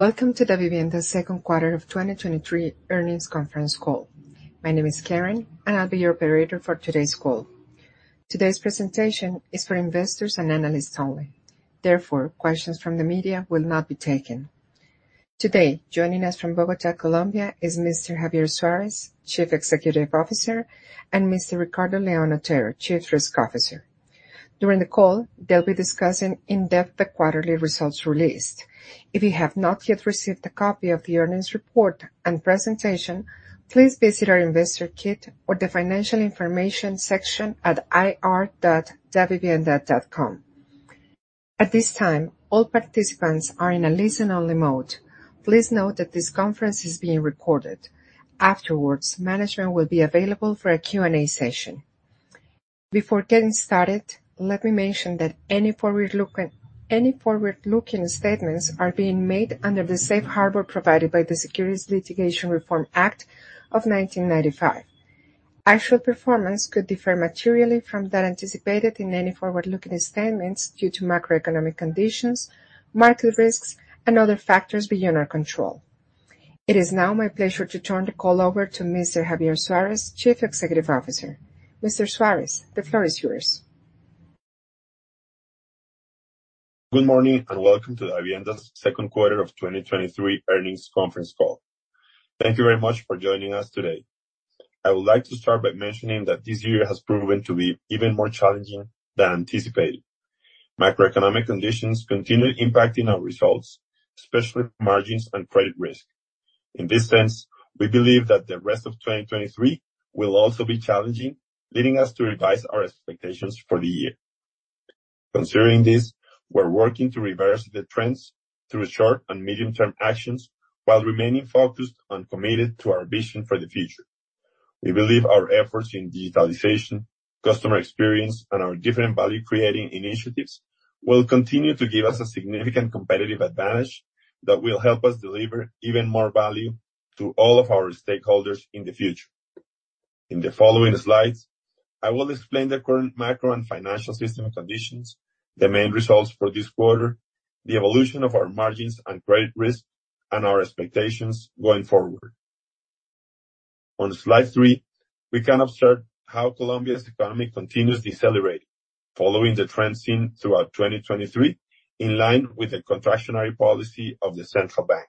Welcome to Davivienda's Second Quarter of 2023 Earnings Conference Call. My name is Karen, and I'll be your operator for today's call. Today's presentation is for investors and analysts only. Therefore, questions from the media will not be taken. Today, joining us from Bogotá, Colombia, is Mr. Javier Suárez, Chief Executive Officer, and Mr. Ricardo León Otero, Chief Risk Officer. During the call, they'll be discussing in-depth the quarterly results released. If you have not yet received a copy of the earnings report and presentation, please visit our investor kit or the financial information section at ir.davivienda.com. At this time, all participants are in a listen-only mode. Please note that this conference is being recorded. Afterwards, management will be available for a Q&A session. Before getting started, let me mention that any forward-looking, any forward-looking statements are being made under the safe harbor provided by the Securities Litigation Reform Act of 1995. Actual performance could differ materially from that anticipated in any forward-looking statements due to macroeconomic conditions, market risks, and other factors beyond our control. It is now my pleasure to turn the call over to Mr. Javier Suárez, Chief Executive Officer. Mr. Suárez, the floor is yours. Good morning, and welcome to Davivienda's second quarter of 2023 earnings conference call. Thank you very much for joining us today. I would like to start by mentioning that this year has proven to be even more challenging than anticipated. Macroeconomic conditions continue impacting our results, especially margins and credit risk. In this sense, we believe that the rest of 2023 will also be challenging, leading us to revise our expectations for the year. Considering this, we're working to reverse the trends through short- and medium-term actions while remaining focused and committed to our vision for the future. We believe our efforts in digitalization, customer experience, and our different value-creating initiatives will continue to give us a significant competitive advantage that will help us deliver even more value to all of our stakeholders in the future. In the following slides, I will explain the current macro and financial system conditions, the main results for this quarter, the evolution of our margins and credit risk, and our expectations going forward. On slide three, we can observe how Colombia's economy continues decelerating, following the trend seen throughout 2023, in line with the contractionary policy of the central bank.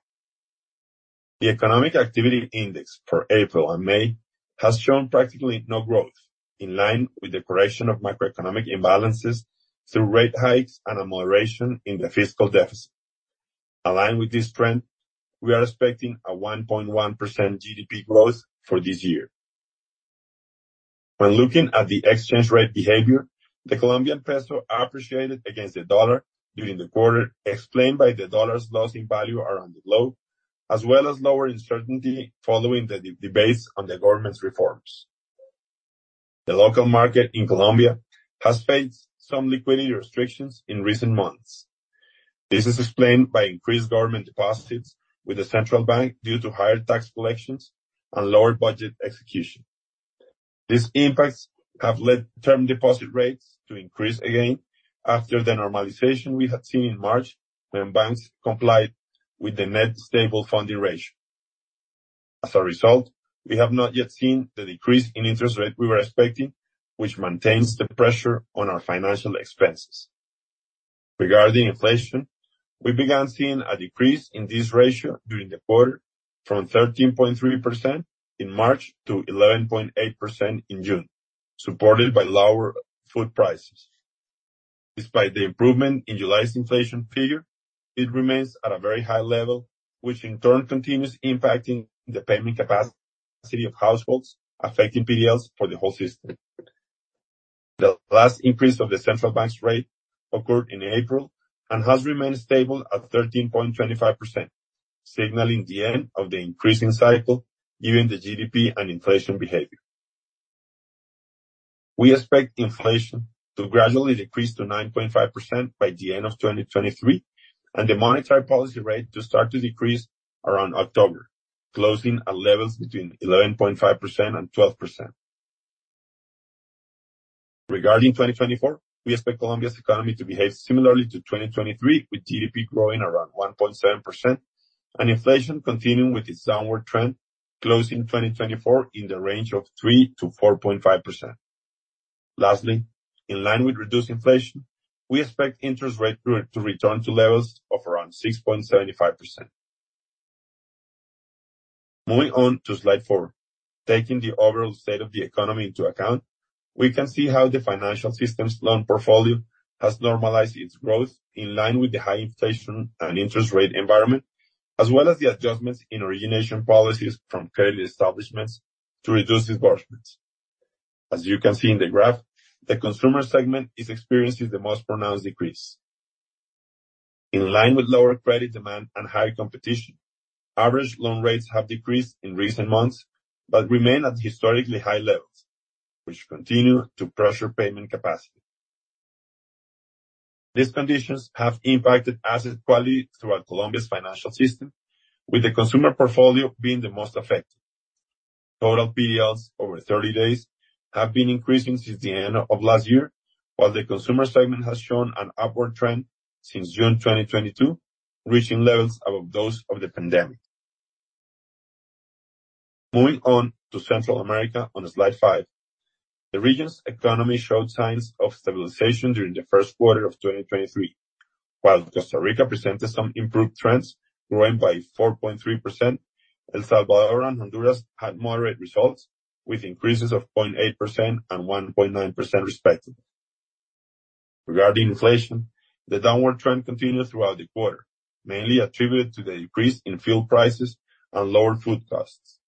The economic activity index for April and May has shown practically no growth, in line with the correction of macroeconomic imbalances through rate hikes and a moderation in the fiscal deficit. Aligned with this trend, we are expecting a 1.1% GDP growth for this year. When looking at the exchange rate behavior, the Colombian peso appreciated against the dollar during the quarter, explained by the dollar's loss in value around the globe, as well as lower uncertainty following the debates on the government's reforms. The local market in Colombia has faced some liquidity restrictions in recent months. This is explained by increased government deposits with the central bank due to higher tax collections and lower budget execution. These impacts have led term deposit rates to increase again after the normalization we had seen in March, when banks complied with the net stable funding ratio. As a result, we have not yet seen the decrease in interest rate we were expecting, which maintains the pressure on our financial expenses. Regarding inflation, we began seeing a decrease in this ratio during the quarter, from 13.3% in March to 11.8% in June, supported by lower food prices. Despite the improvement in July's inflation figure, it remains at a very high level, which in turn continues impacting the payment capacity of households, affecting PDLs for the whole system. The last increase of the central bank's rate occurred in April and has remained stable at 13.25%, signaling the end of the increasing cycle given the GDP and inflation behavior. We expect inflation to gradually decrease to 9.5% by the end of 2023, and the monetary policy rate to start to decrease around October, closing at levels between 11.5% and 12%. Regarding 2024, we expect Colombia's economy to behave similarly to 2023, with GDP growing around 1.7% and inflation continuing with its downward trend, closing 2024 in the range of 3%-4.5%. Lastly, in line with reduced inflation, we expect interest rates to, to return to levels of around 6.75%. Moving on to slide four. Taking the overall state of the economy into account, we can see how the financial system's loan portfolio has normalized its growth in line with the high inflation and interest rate environment, as well as the adjustments in origination policies from credit establishments to reduce disbursements. As you can see in the graph, the consumer segment is experiencing the most pronounced decrease. In line with lower credit demand and high competition, average loan rates have decreased in recent months, but remain at historically high levels, which continue to pressure payment capacity. These conditions have impacted asset quality throughout Colombia's financial system, with the consumer portfolio being the most affected.... Total PDLs over 30 days have been increasing since the end of last year, while the consumer segment has shown an upward trend since June 2022, reaching levels above those of the pandemic. Moving on to Central America on slide five, the region's economy showed signs of stabilization during the first quarter of 2023. While Costa Rica presented some improved trends, growing by 4.3%, El Salvador and Honduras had moderate results, with increases of 0.8% and 1.9%, respectively. Regarding inflation, the downward trend continued throughout the quarter, mainly attributed to the decrease in fuel prices and lower food costs.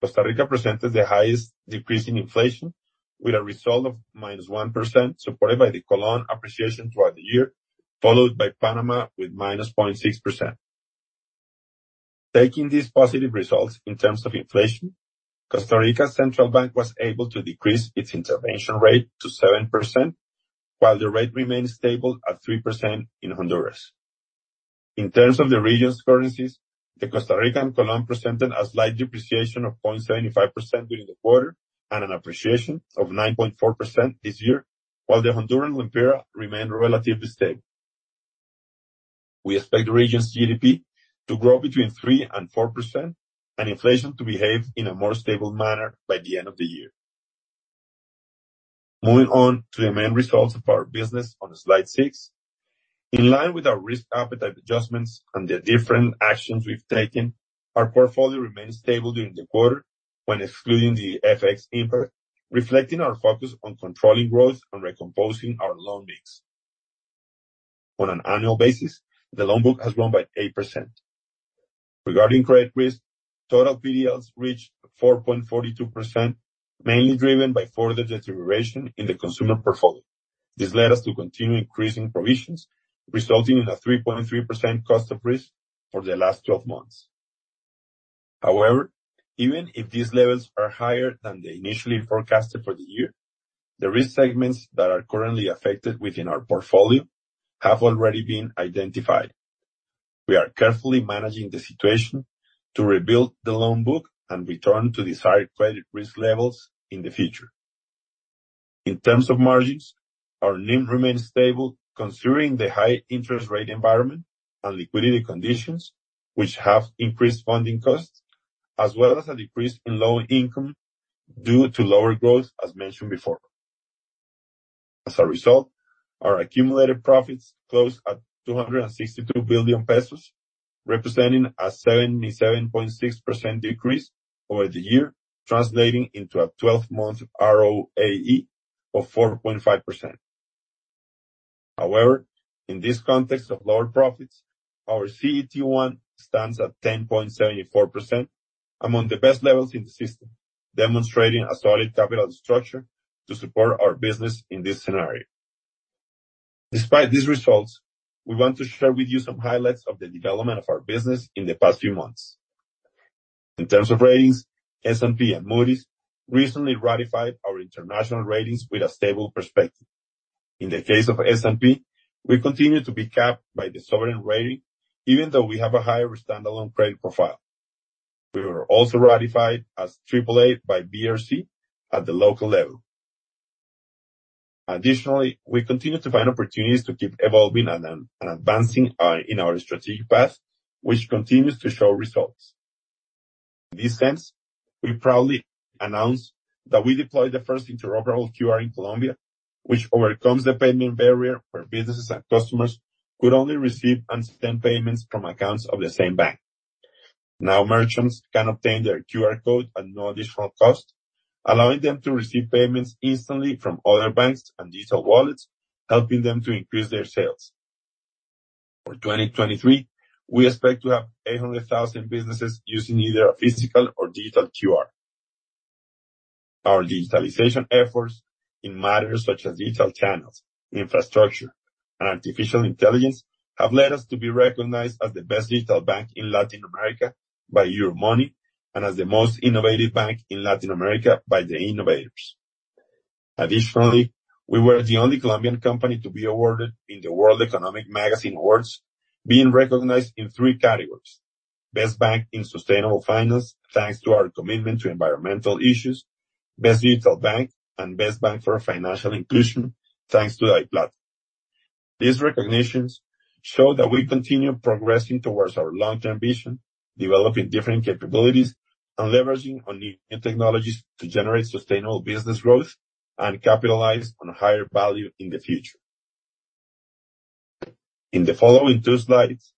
Costa Rica presented the highest decrease in inflation with a result of -1%, supported by the colón appreciation throughout the year, followed by Panama with -0.6%. Taking these positive results in terms of inflation, Costa Rica Central Bank was able to decrease its intervention rate to 7%, while the rate remained stable at 3% in Honduras. In terms of the region's currencies, the Costa Rican colón presented a slight depreciation of 0.75% during the quarter and an appreciation of 9.4% this year, while the Honduran lempira remained relatively stable. We expect the region's GDP to grow between 3% and 4%, and inflation to behave in a more stable manner by the end of the year. Moving on to the main results of our business on slide six. In line with our risk appetite adjustments and the different actions we've taken, our portfolio remained stable during the quarter when excluding the FX impact, reflecting our focus on controlling growth and recomposing our loan mix. On an annual basis, the loan book has grown by 8%. Regarding credit risk, total PDLs reached 4.42%, mainly driven by further deterioration in the consumer portfolio. This led us to continue increasing provisions, resulting in a 3.3% Cost of Risk for the last 12 months. However, even if these levels are higher than the initially forecasted for the year, the risk segments that are currently affected within our portfolio have already been identified. We are carefully managing the situation to rebuild the loan book and return to desired credit risk levels in the future. In terms of margins, our NIM remains stable, considering the high interest rate environment and liquidity conditions, which have increased funding costs, as well as a decrease in loan income due to lower growth, as mentioned before. As a result, our accumulated profits closed at COP 262 billion, representing a 77.6% decrease over the year, translating into a 12-month ROAE of 4.5%. In this context of lower profits, our CET1 stands at 10.74%, among the best levels in the system, demonstrating a solid capital structure to support our business in this scenario. Despite these results, we want to share with you some highlights of the development of our business in the past few months. In terms of ratings, S&P and Moody's recently ratified our international ratings with a stable perspective. In the case of S&P, we continue to be capped by the sovereign rating, even though we have a higher standalone credit profile. We were also ratified as Triple A by BRC at the local level. We continue to find opportunities to keep evolving and advancing in our strategic path, which continues to show results. In this sense, we proudly announce that we deployed the first Interoperable QR in Colombia, which overcomes the payment barrier, where businesses and customers could only receive and send payments from accounts of the same bank. Now, merchants can obtain their QR code at no additional cost, allowing them to receive payments instantly from other banks and digital wallets, helping them to increase their sales. For 2023, we expect to have 800,000 businesses using either a physical or digital QR. Our digitalization efforts in matters such as digital channels, infrastructure, and artificial intelligence, have led us to be recognized as the best digital bank in Latin America by Euromoney, and as the most innovative bank in Latin America by The Innovators. Additionally, we were the only Colombian company to be awarded in the World Economic Magazine Awards, being recognized in three categories: Best Bank in Sustainable Finance, thanks to our commitment to environmental issues, Best Digital Bank, and Best Bank for Financial Inclusion, thanks to DaviPlata. These recognitions show that we continue progressing towards our long-term vision, developing different capabilities, and leveraging on new technologies to generate sustainable business growth and capitalize on higher value in the future. In the following two slides,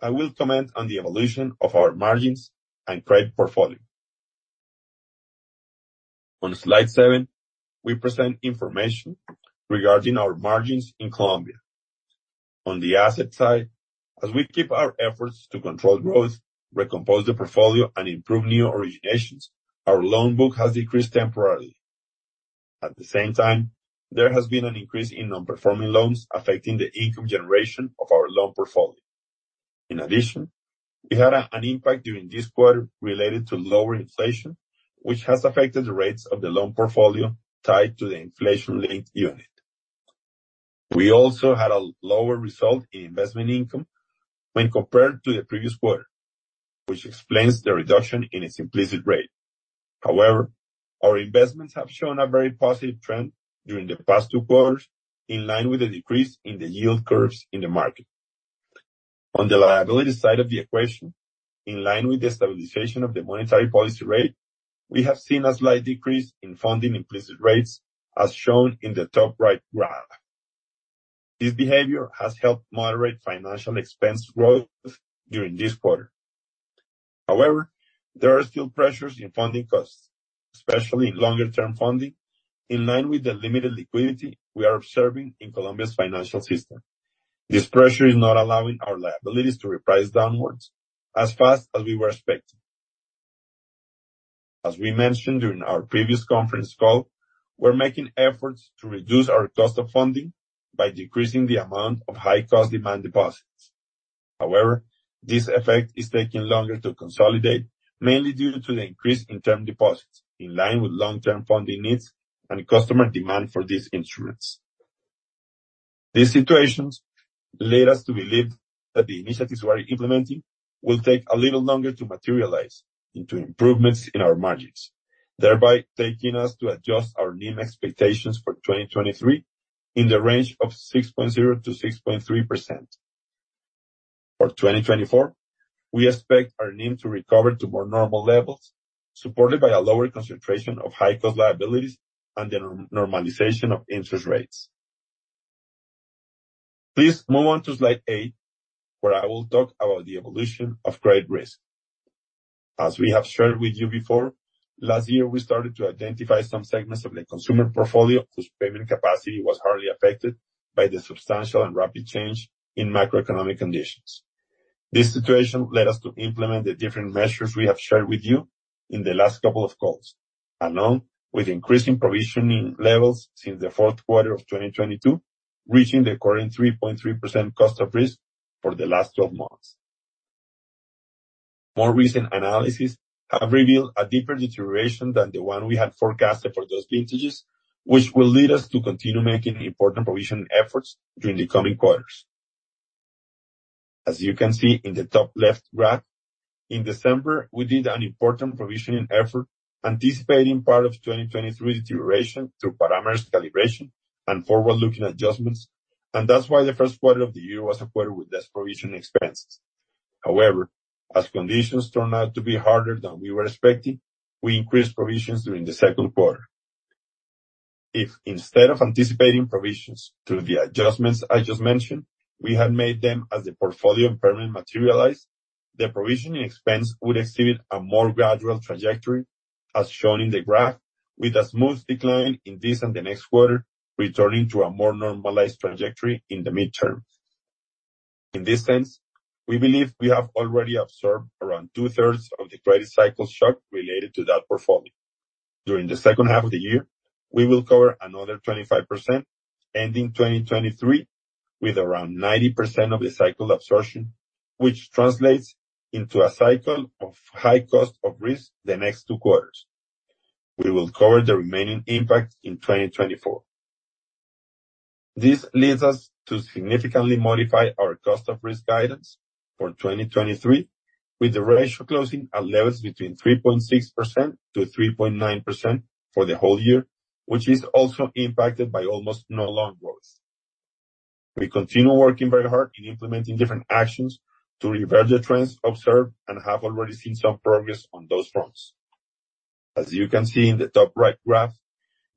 I will comment on the evolution of our margins and credit portfolio. On slide seven, we present information regarding our margins in Colombia. On the asset side, as we keep our efforts to control growth, recompose the portfolio, and improve new originations, our loan book has decreased temporarily. At the same time, there has been an increase in non-performing loans, affecting the income generation of our loan portfolio. In addition, we had an impact during this quarter related to lower inflation, which has affected the rates of the loan portfolio tied to the inflation-linked unit. We also had a lower result in investment income when compared to the previous quarter, which explains the reduction in its implicit rate. However, our investments have shown a very positive trend during the past two quarters, in line with the decrease in the yield curves in the market. On the liability side of the equation, in line with the stabilization of the monetary policy rate, we have seen a slight decrease in funding implicit rates, as shown in the top right graph. This behavior has helped moderate financial expense growth during this quarter. However, there are still pressures in funding costs, especially in longer-term funding, in line with the limited liquidity we are observing in Colombia's financial system. This pressure is not allowing our liabilities to reprice downwards as fast as we were expecting. As we mentioned during our previous conference call, we're making efforts to reduce our cost of funding by decreasing the amount of high-cost demand deposits. However, this effect is taking longer to consolidate, mainly due to the increase in term deposits, in line with long-term funding needs and customer demand for these instruments. These situations lead us to believe that the initiatives we are implementing will take a little longer to materialize into improvements in our margins, thereby taking us to adjust our NIM expectations for 2023 in the range of 6.0%-6.3%. For 2024, we expect our NIM to recover to more normal levels, supported by a lower concentration of high-cost liabilities and the normalization of interest rates. Please move on to slide eight, where I will talk about the evolution of credit risk. As we have shared with you before, last year, we started to identify some segments of the consumer portfolio whose payment capacity was hardly affected by the substantial and rapid change in macroeconomic conditions. This situation led us to implement the different measures we have shared with you in the last couple of calls, along with increasing provisioning levels since the fourth quarter of 2022, reaching the current 3.3% Cost of Risk for the last 12 months. More recent analyses have revealed a deeper deterioration than the one we had forecasted for those Vintages, which will lead us to continue making important provisioning efforts during the coming quarters. As you can see in the top left graph, in December, we did an important provisioning effort, anticipating part of 2023 deterioration through parameters calibration and forward-looking adjustments, and that's why the first quarter of the year was supported with less provisioning expenses. However, as conditions turned out to be harder than we were expecting, we increased provisions during the second quarter. If instead of anticipating provisions through the adjustments I just mentioned, we had made them as the portfolio impairment materialized, the provisioning expense would exhibit a more gradual trajectory, as shown in the graph, with a smooth decline in this and the next quarter, returning to a more normalized trajectory in the midterm. In this sense, we believe we have already absorbed around 2/3 of the credit cycle shock related to that portfolio. During the second half of the year, we will cover another 25%, ending 2023 with around 90% of the cycle absorption, which translates into a cycle of high Cost of Risk the next two quarters. We will cover the remaining impact in 2024. This leads us to significantly modify our Cost of Risk guidance for 2023, with the ratio closing at levels between 3.6%-3.9% for the whole year, which is also impacted by almost no loan growth. We continue working very hard in implementing different actions to reverse the trends observed and have already seen some progress on those fronts. As you can see in the top right graph,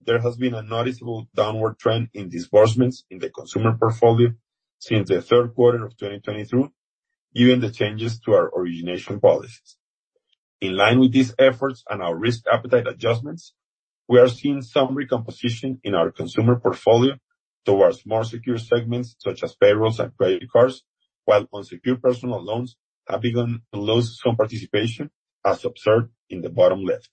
there has been a noticeable downward trend in disbursements in the consumer portfolio since the third quarter of 2023, given the changes to our origination policies. In line with these efforts and our risk appetite adjustments, we are seeing some recomposition in our consumer portfolio towards more secure segments, such as payrolls and credit cards, while unsecured personal loans have begun to lose some participation, as observed in the bottom left.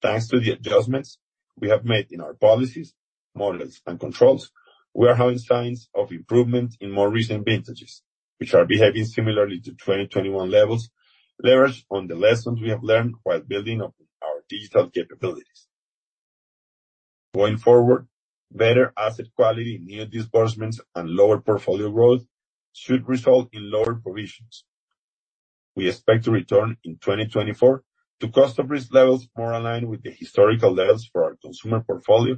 Thanks to the adjustments we have made in our policies, models, and controls, we are having signs of improvement in more recent vintages, which are behaving similarly to 2021 levels, leveraged on the lessons we have learned while building up our digital capabilities. Going forward, better asset quality in new disbursements and lower portfolio growth should result in lower provisions. We expect to return in 2024 to cost of risk levels more aligned with the historical levels for our consumer portfolio,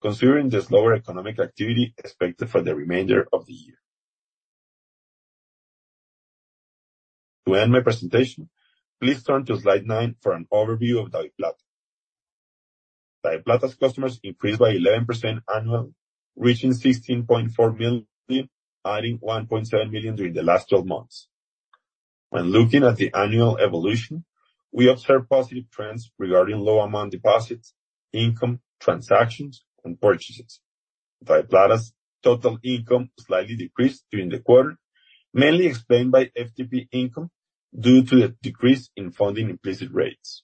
considering the slower economic activity expected for the remainder of the year. To end my presentation, please turn to slide nine for an overview of DaviPlata. DaviPlata's customers increased by 11% annual, reaching COP 16.4 million, adding COP 1.7 million during the last 12 months. When looking at the annual evolution, we observe positive trends regarding low amount deposits, income, transactions, and purchases. DaviPlata's total income slightly decreased during the quarter, mainly explained by FTP income due to the decrease in funding implicit rates.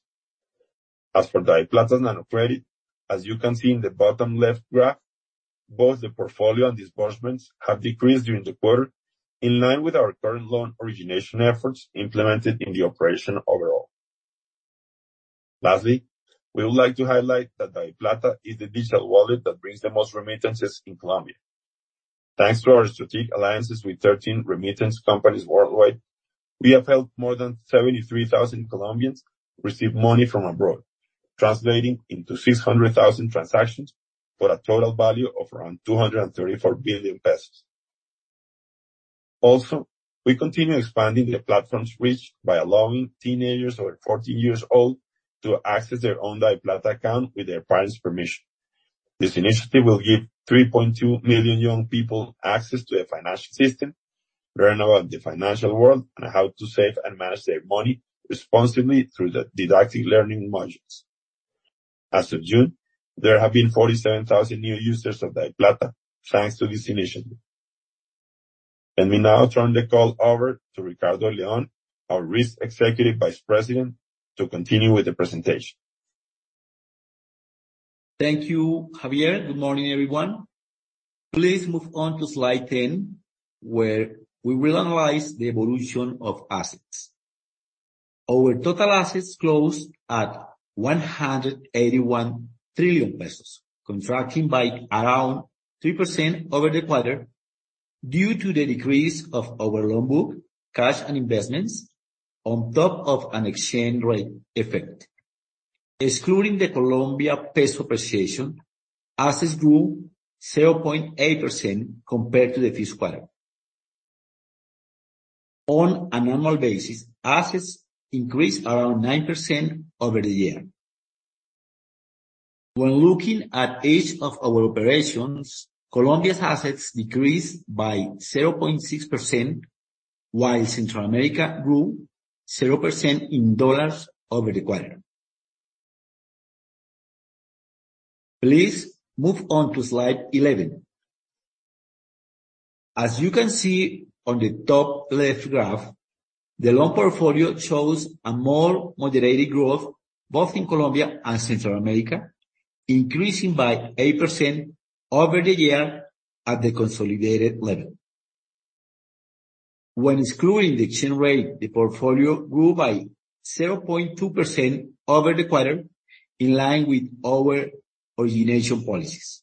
As for DaviPlata Nanocredit, as you can see in the bottom left graph, both the portfolio and disbursements have decreased during the quarter, in line with our current loan origination efforts implemented in the operation overall. Lastly, we would like to highlight that DaviPlata is the digital wallet that brings the most remittances in Colombia. Thanks to our strategic alliances with 13 remittance companies worldwide, we have helped more than 73,000 Colombians receive money from abroad, translating into 600,000 transactions for a total value of around COP 234 billion. We continue expanding the platform's reach by allowing teenagers over 14 years old to access their own DaviPlata account with their parents' permission. This initiative will give 3.2 million young people access to a financial system, learn about the financial world, and how to save and manage their money responsibly through the didactic learning modules. As of June, there have been 47,000 new users of DaviPlata, thanks to this initiative. Let me now turn the call over to Ricardo León, our Risk Executive Vice President, to continue with the presentation. Thank you, Javier. Good morning, everyone. Please move on to slide 10, where we will analyze the evolution of assets. Our total assets closed at COP 181 trillion, contracting by around 3% over the quarter due to the decrease of our loan book, cash and investments, on top of an exchange rate effect. Excluding the Colombian peso appreciation, assets grew 0.8% compared to the fiscal. On an annual basis, assets increased around 9% over the year. When looking at each of our operations, Colombia's assets decreased by 0.6%, while Central America grew 0% in USD over the quarter. Please move on to slide 11. As you can see on the top left graph, the loan portfolio shows a more moderated growth both in Colombia and Central America, increasing by 8% over the year at the consolidated level. When excluding the exchange rate, the portfolio grew by 0.2% over the quarter, in line with our origination policies.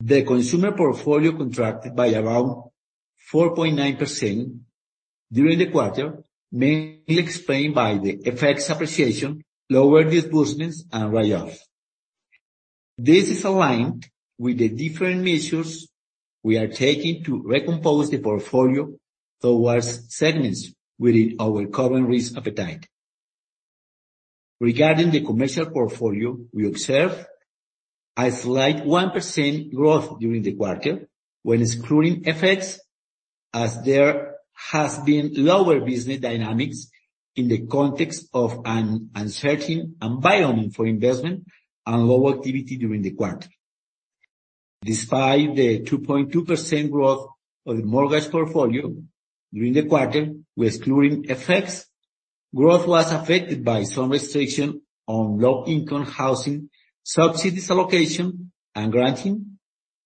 The consumer portfolio contracted by around 4.9% during the quarter, mainly explained by the effects appreciation, lower disbursements, and write-offs. This is aligned with the different measures we are taking to recompose the portfolio towards segments within our current risk appetite. Regarding the commercial portfolio, we observe a slight 1% growth during the quarter when excluding effects, as there has been lower business dynamics in the context of an uncertain environment for investment and low activity during the quarter. Despite the 2.2% growth of the mortgage portfolio during the quarter with excluding effects, growth was affected by some restriction on low-income housing subsidies, allocation, and granting,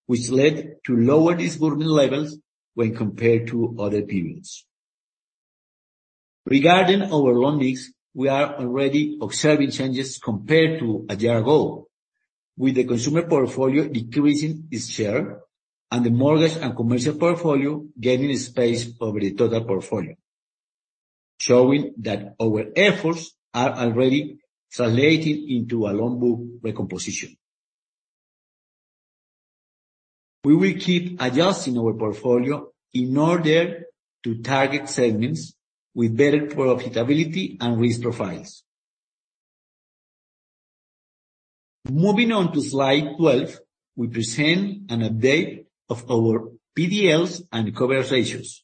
which led to lower disbursement levels when compared to other periods. Regarding our loan mix, we are already observing changes compared to a year ago, with the consumer portfolio decreasing its share and the mortgage and commercial portfolio gaining space over the total portfolio, showing that our efforts are already translating into a loan book recomposition. We will keep adjusting our portfolio in order to target segments with better profitability and risk profiles. Moving on to Slide 12, we present an update of our PDLs and coverage ratios.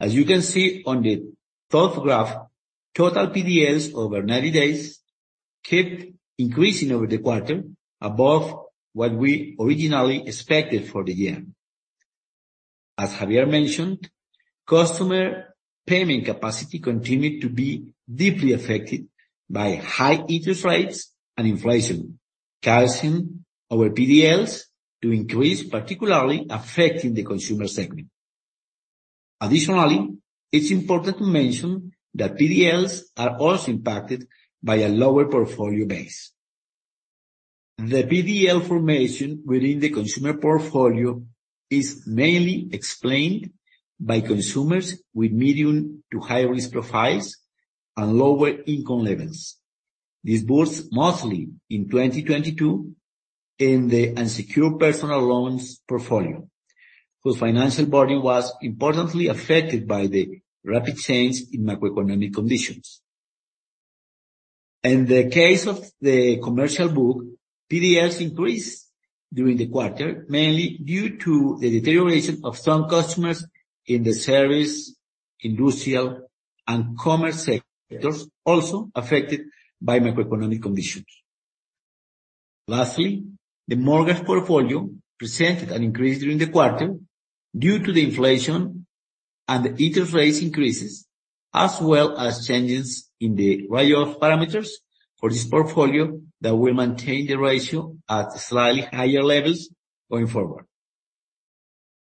As you can see on the top graph, total PDLs over 90 days kept increasing over the quarter above what we originally expected for the year. As Javier mentioned, customer payment capacity continued to be deeply affected by high interest rates and inflation, causing our PDLs to increase, particularly affecting the consumer segment. Additionally, it's important to mention that PDLs are also impacted by a lower portfolio base. The PDL formation within the consumer portfolio is mainly explained by consumers with medium to high risk profiles and lower income levels. This was mostly in 2022 in the unsecured personal loans portfolio, whose financial body was importantly affected by the rapid change in macroeconomic conditions. In the case of the commercial book, PDLs increased during the quarter, mainly due to the deterioration of some customers in the service, industrial, and commerce sectors, also affected by macroeconomic conditions. Lastly, the mortgage portfolio presented an increase during the quarter due to the inflation and the interest rate increases, as well as changes in the write-off parameters for this portfolio that will maintain the ratio at slightly higher levels going forward.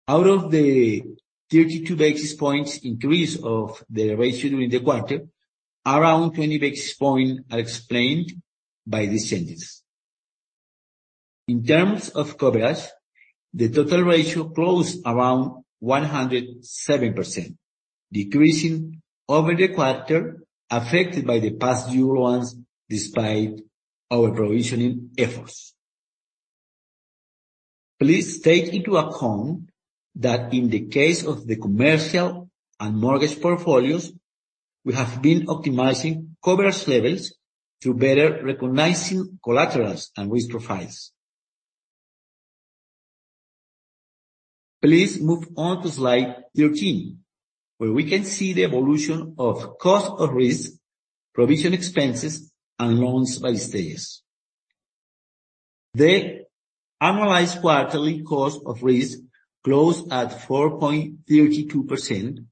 Out of the 32 basis points increase of the ratio during the quarter, around 20 basis point are explained by these changes. In terms of coverage, the total ratio closed around 107%, decreasing over the quarter, affected by the past due loans, despite our provisioning efforts. Please take into account that in the case of the commercial and mortgage portfolios, we have been optimizing coverage levels through better recognizing collaterals and risk profiles. Please move on to slide 13, where we can see the evolution of Cost of Risk, provision expenses, and loans by stages. The annualized quarterly Cost of Risk closed at 4.32%,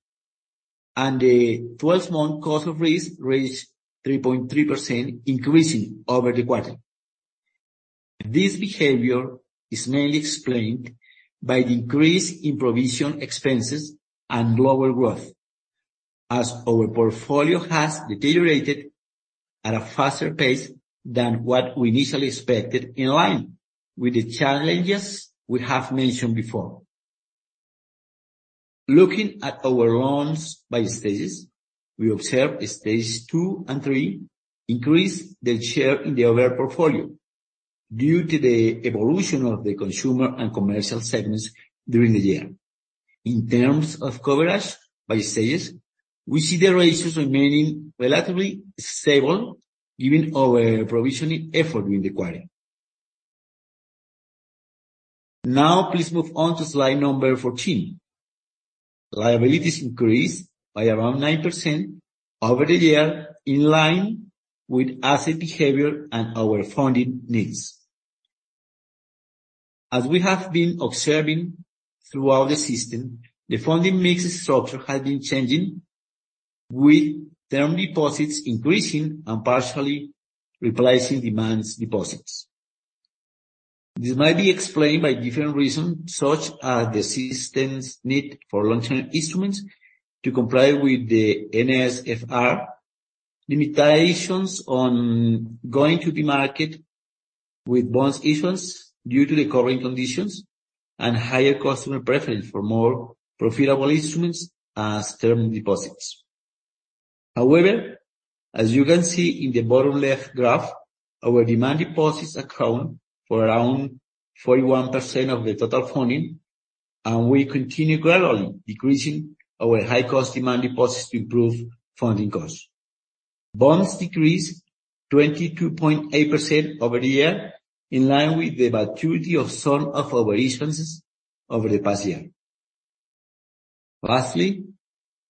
and the 12-month Cost of Risk reached 3.3%, increasing over the quarter. This behavior is mainly explained by the increase in provision expenses and lower growth, as our portfolio has deteriorated at a faster pace than what we initially expected, in line with the challenges we have mentioned before. Looking at our loans by stages, we observe the Stage 2 and 3 increase the share in the overall portfolio due to the evolution of the consumer and commercial segments during the year. In terms of coverage by stages, we see the ratios remaining relatively stable, given our provisioning effort during the quarter. Now, please move on to slide number 14. Liabilities increased by around 9% over the year, in line with asset behavior and our funding needs. As we have been observing throughout the system, the funding mix structure has been changing, with term deposits increasing and partially replacing demand deposits. This might be explained by different reasons, such as the system's need for long-term instruments to comply with the NSFR, limitations on going to the market with bond issuance due to the current conditions, and higher customer preference for more profitable instruments as term deposits. However, as you can see in the bottom left graph, our demand deposits account for around 41% of the total funding, and we continue gradually decreasing our high cost demand deposits to improve funding costs. Bonds decreased 22.8% over the year, in line with the maturity of some of our issuances over the past year. Lastly,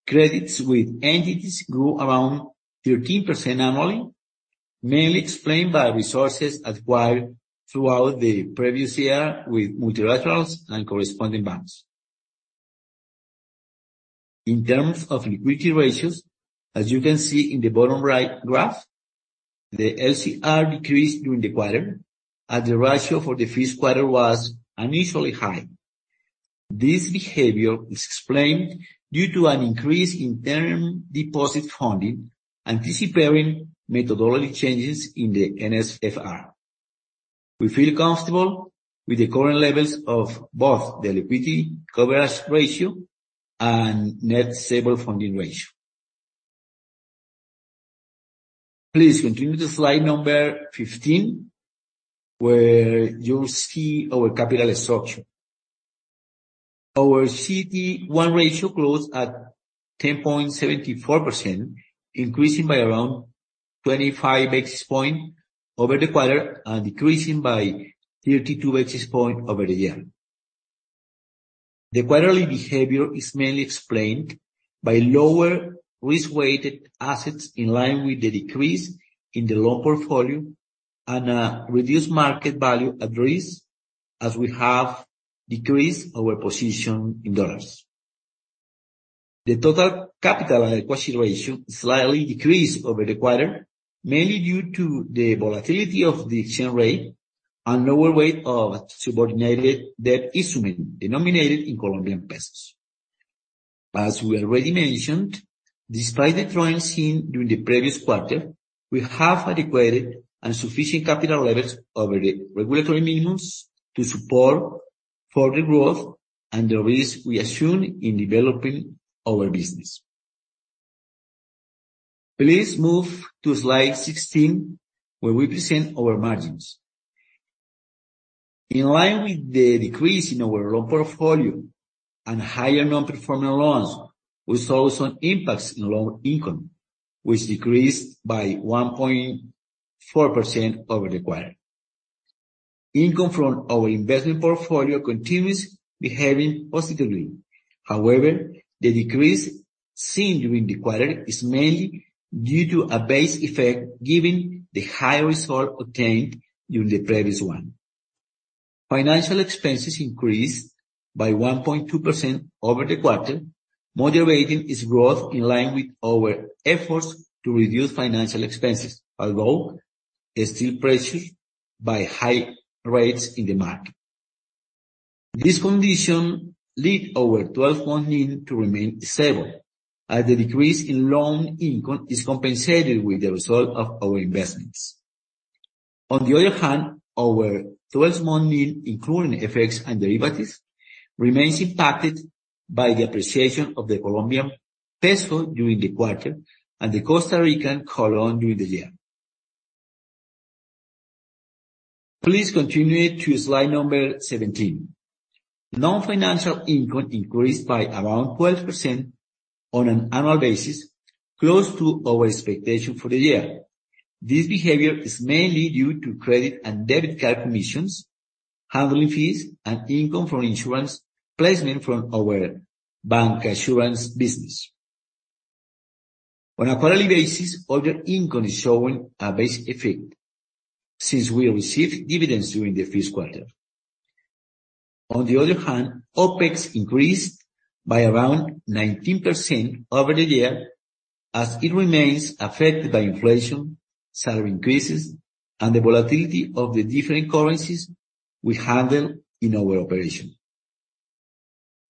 credits with entities grew around 13% annually, mainly explained by resources acquired throughout the previous year with multilaterals and corresponding banks. In terms of liquidity ratios, as you can see in the bottom right graph, the LCR decreased during the quarter, as the ratio for the first quarter was unusually high. This behavior is explained due to an increase in term deposit funding, anticipating methodology changes in the NSFR. We feel comfortable with the current levels of both the liquidity coverage ratio and net stable funding ratio. Please continue to slide 15, where you see our capital structure. Our CET1 ratio closed at 10.74%, increasing by around 25 basis points over the quarter and decreasing by 32 basis points over the year. The quarterly behavior is mainly explained by lower risk-weighted assets, in line with the decrease in the loan portfolio and reduced market value at risk, as we have decreased our position in dollars. The total capital and equity ratio slightly decreased over the quarter, mainly due to the volatility of the exchange rate and lower weight of subordinated debt instrument denominated in Colombian pesos. As we already mentioned, despite the trend seen during the previous quarter, we have adequate and sufficient capital levels over the regulatory minimums to support further growth and the risk we assume in developing our business. Please move to slide 16, where we present our margins. In line with the decrease in our loan portfolio and higher non-performing loans, we saw some impacts in loan income, which decreased by 1.4% over the quarter. Income from our investment portfolio continues behaving positively. However, the decrease seen during the quarter is mainly due to a base effect, given the high result obtained during the previous one. Financial expenses increased by 1.2% over the quarter, moderating its growth in line with our efforts to reduce financial expenses, although is still pressured by high rates in the market. This condition led our 12-month NIM to remain stable, as the decrease in loan income is compensated with the result of our investments. On the other hand, our 12-month NIM, including FX and derivatives, remains impacted by the appreciation of the Colombian peso during the quarter and the Costa Rican colón during the year. Please continue to slide number 17. Non-financial income increased by around 12% on an annual basis, close to our expectation for the year. This behavior is mainly due to credit and debit card commissions, handling fees, and income from insurance placement from our bancassurance business. On a quarterly basis, other income is showing a base effect since we received dividends during the first quarter. On the other hand, OpEx increased by around 19% over the year, as it remains affected by inflation, salary increases, and the volatility of the different currencies we handle in our operation.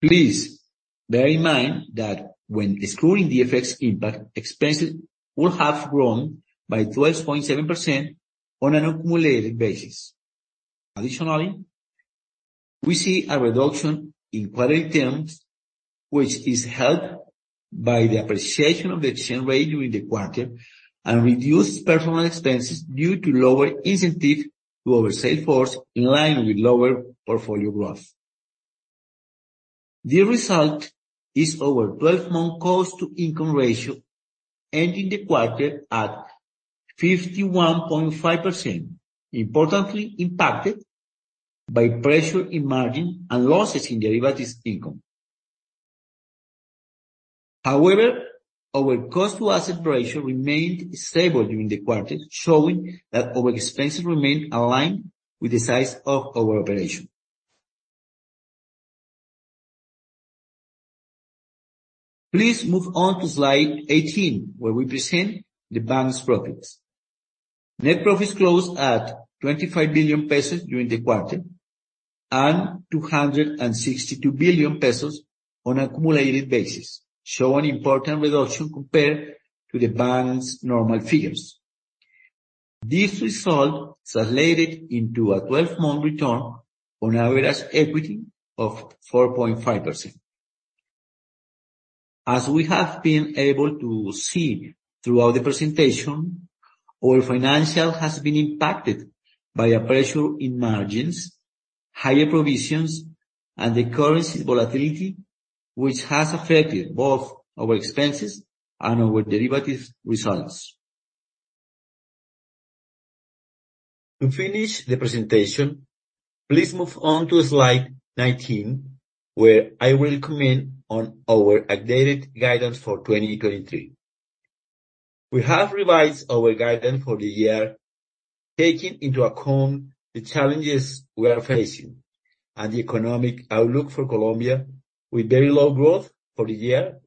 Please bear in mind that when excluding the FX impact, expenses would have grown by 12.7% on an accumulated basis. Additionally, we see a reduction in quarter terms, which is helped by the appreciation of the exchange rate during the quarter and reduced personal expenses due to lower incentive to our sales force, in line with lower portfolio growth. The result is our 12-month Cost-to-Income Ratio ending the quarter at 51.5%, importantly impacted by pressure in margin and losses in derivatives income. However, our Cost-to-Asset Ratio remained stable during the quarter, showing that our expenses remain aligned with the size of our operation. Please move on to slide 18, where we present the Bank's profits. Net profits closed at COP 25 billion during the quarter and COP 262 billion on accumulated basis, show an important reduction compared to the Bank's normal figures. This result translated into a 12-month Return on Average Equity of 4.5%. As we have been able to see throughout the presentation, our financial has been impacted by a pressure in margins, higher provisions, and the currency volatility, which has affected both our expenses and our derivatives results. To finish the presentation, please move on to slide 19, where I will comment on our updated guidance for 2023. We have revised our guidance for the year, taking into account the challenges we are facing and the economic outlook for Colombia, with very low growth for the year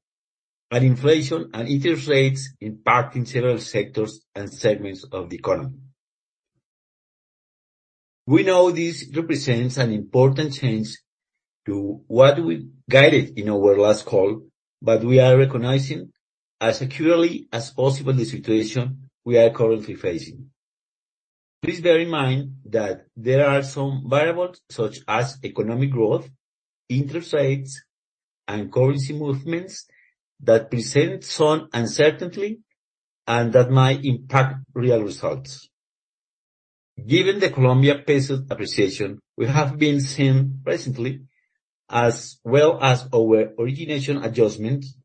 and inflation and interest rates impacting several sectors and segments of the economy. We know this represents an important change to what we guided in our last call, but we are recognizing as accurately as possible the situation we are currently facing. Please bear in mind that there are some variables, such as economic growth, interest rates, and currency movements, that present some uncertainty and that might impact real results. Given the Colombia peso appreciation we have been seeing recently, as well as our origination adjustments,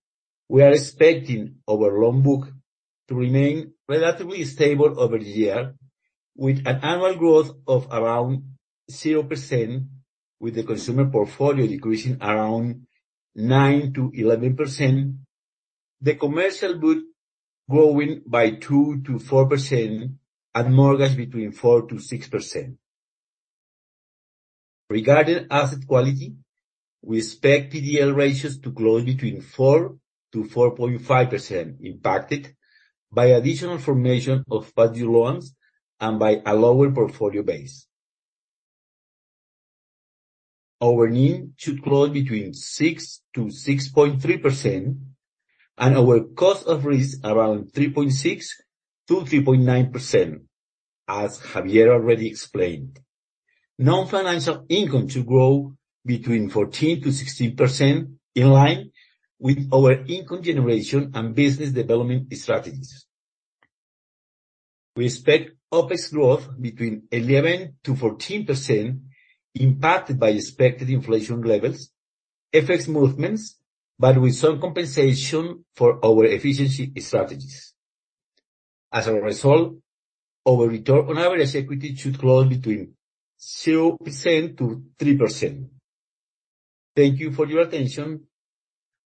we are expecting our loan book to remain relatively stable over the year, with an annual growth of around 0%, with the consumer portfolio decreasing around 9%-11%, the commercial book growing by 2%-4%, and mortgage between 4%-6%. Regarding asset quality, we expect PDL ratios to grow between 4%-4.5%, impacted by additional formation of value loans and by a lower portfolio base. Our NIM should grow between 6%-6.3%, and our Cost of Risk around 3.6%-3.9%, as Javier already explained. Non-financial income to grow between 14%-16%, in line with our income generation and business development strategies. We expect OpEx growth between 11%-14%, impacted by expected inflation levels, FX movements, but with some compensation for our efficiency strategies. As a result, our return on average equity should grow between 0%-3%. Thank you for your attention.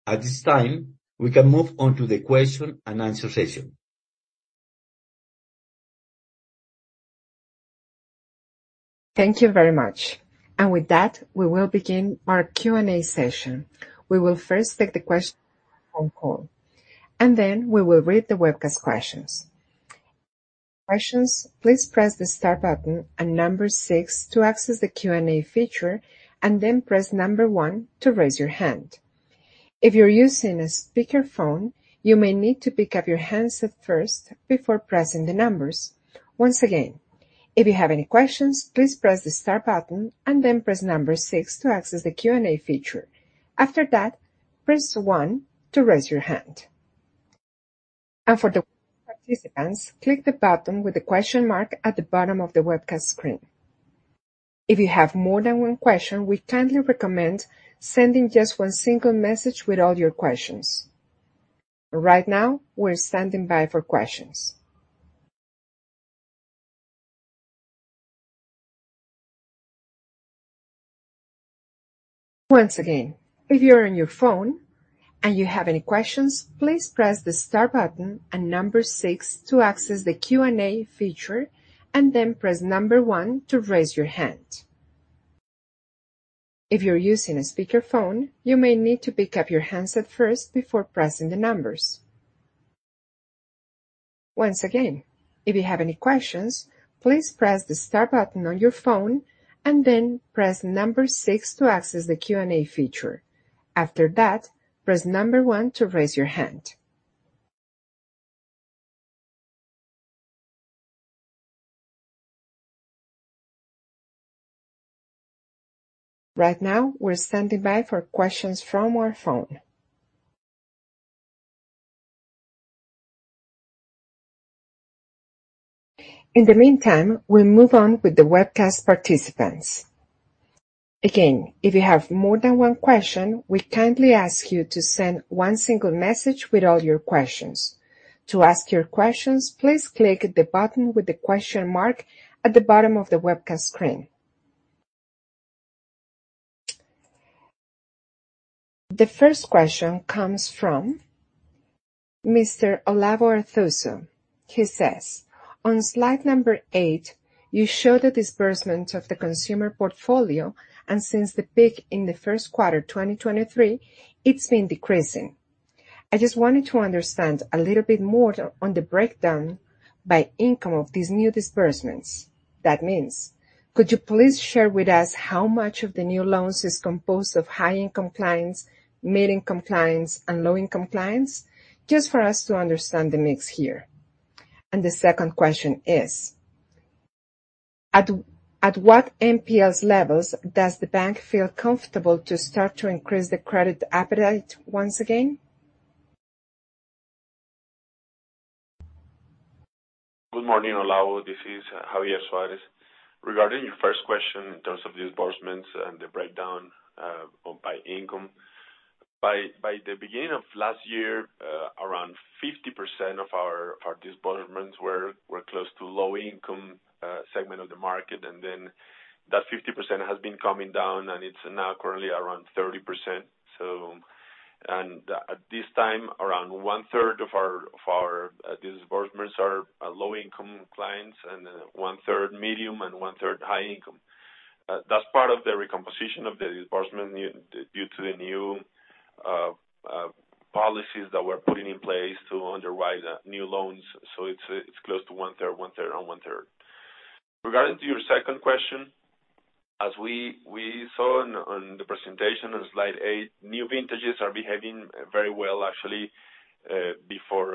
At this time, we can move on to the question and answer session.... Thank you very much. With that, we will begin our Q&A session. We will first take the question on call, and then we will read the webcast questions. Questions, please press the star button and six to access the Q&A feature, and then press one to raise your hand. If you're using a speakerphone, you may need to pick up your handset first before pressing the numbers. Once again, if you have any questions, please press the star button and then press six to access the Q&A feature. After that, press one to raise your hand. For the participants, click the button with the question mark at the bottom of the webcast screen. If you have more than one question, we kindly recommend sending just one single message with all your questions. Right now, we're standing by for questions. Once again, if you're on your phone and you have any questions, please press the star button and six to access the Q&A feature, and then press one to raise your hand. If you're using a speakerphone, you may need to pick up your handset first before pressing the numbers. Once again, if you have any questions, please press the star button on your phone and then press six to access the Q&A feature. After that, press one to raise your hand. Right now, we're standing by for questions from our phone. In the meantime, we'll move on with the webcast participants. Again, if you have more than one question, we kindly ask you to send one single message with all your questions. To ask your questions, please click the button with the question mark at the bottom of the webcast screen. The first question comes from Mr. Olavo Arthuzo. He says, "On slide number eight, you show the disbursement of the consumer portfolio, and since the peak in the first quarter, 2023, it's been decreasing. I just wanted to understand a little bit more on the breakdown by income of these new disbursements. That means, could you please share with us how much of the new loans is composed of high-income clients, mid-income clients, and low-income clients? Just for us to understand the mix here." The second question is, what NPLs levels does the bank feel comfortable to start to increase the credit appetite once again? Good morning, Olavo. This is Javier Suárez. Regarding your first question, in terms of the disbursements and the breakdown by income. By, by the beginning of last year, around 50% of our, our disbursements were, were close to low income segment of the market, and then that 50% has been coming down, and it's now currently around 30%. At this time, around one-third of our, of our disbursements are, are low-income clients and one-third medium and one-third high income. That's part of the recomposition of the disbursement due, due to the new policies that we're putting in place to underwrite new loans. It's, it's close to one-third, one-third and one-third. Regarding to your second question, as we saw on the presentation on slide eight, new vintages are behaving very well, actually, before,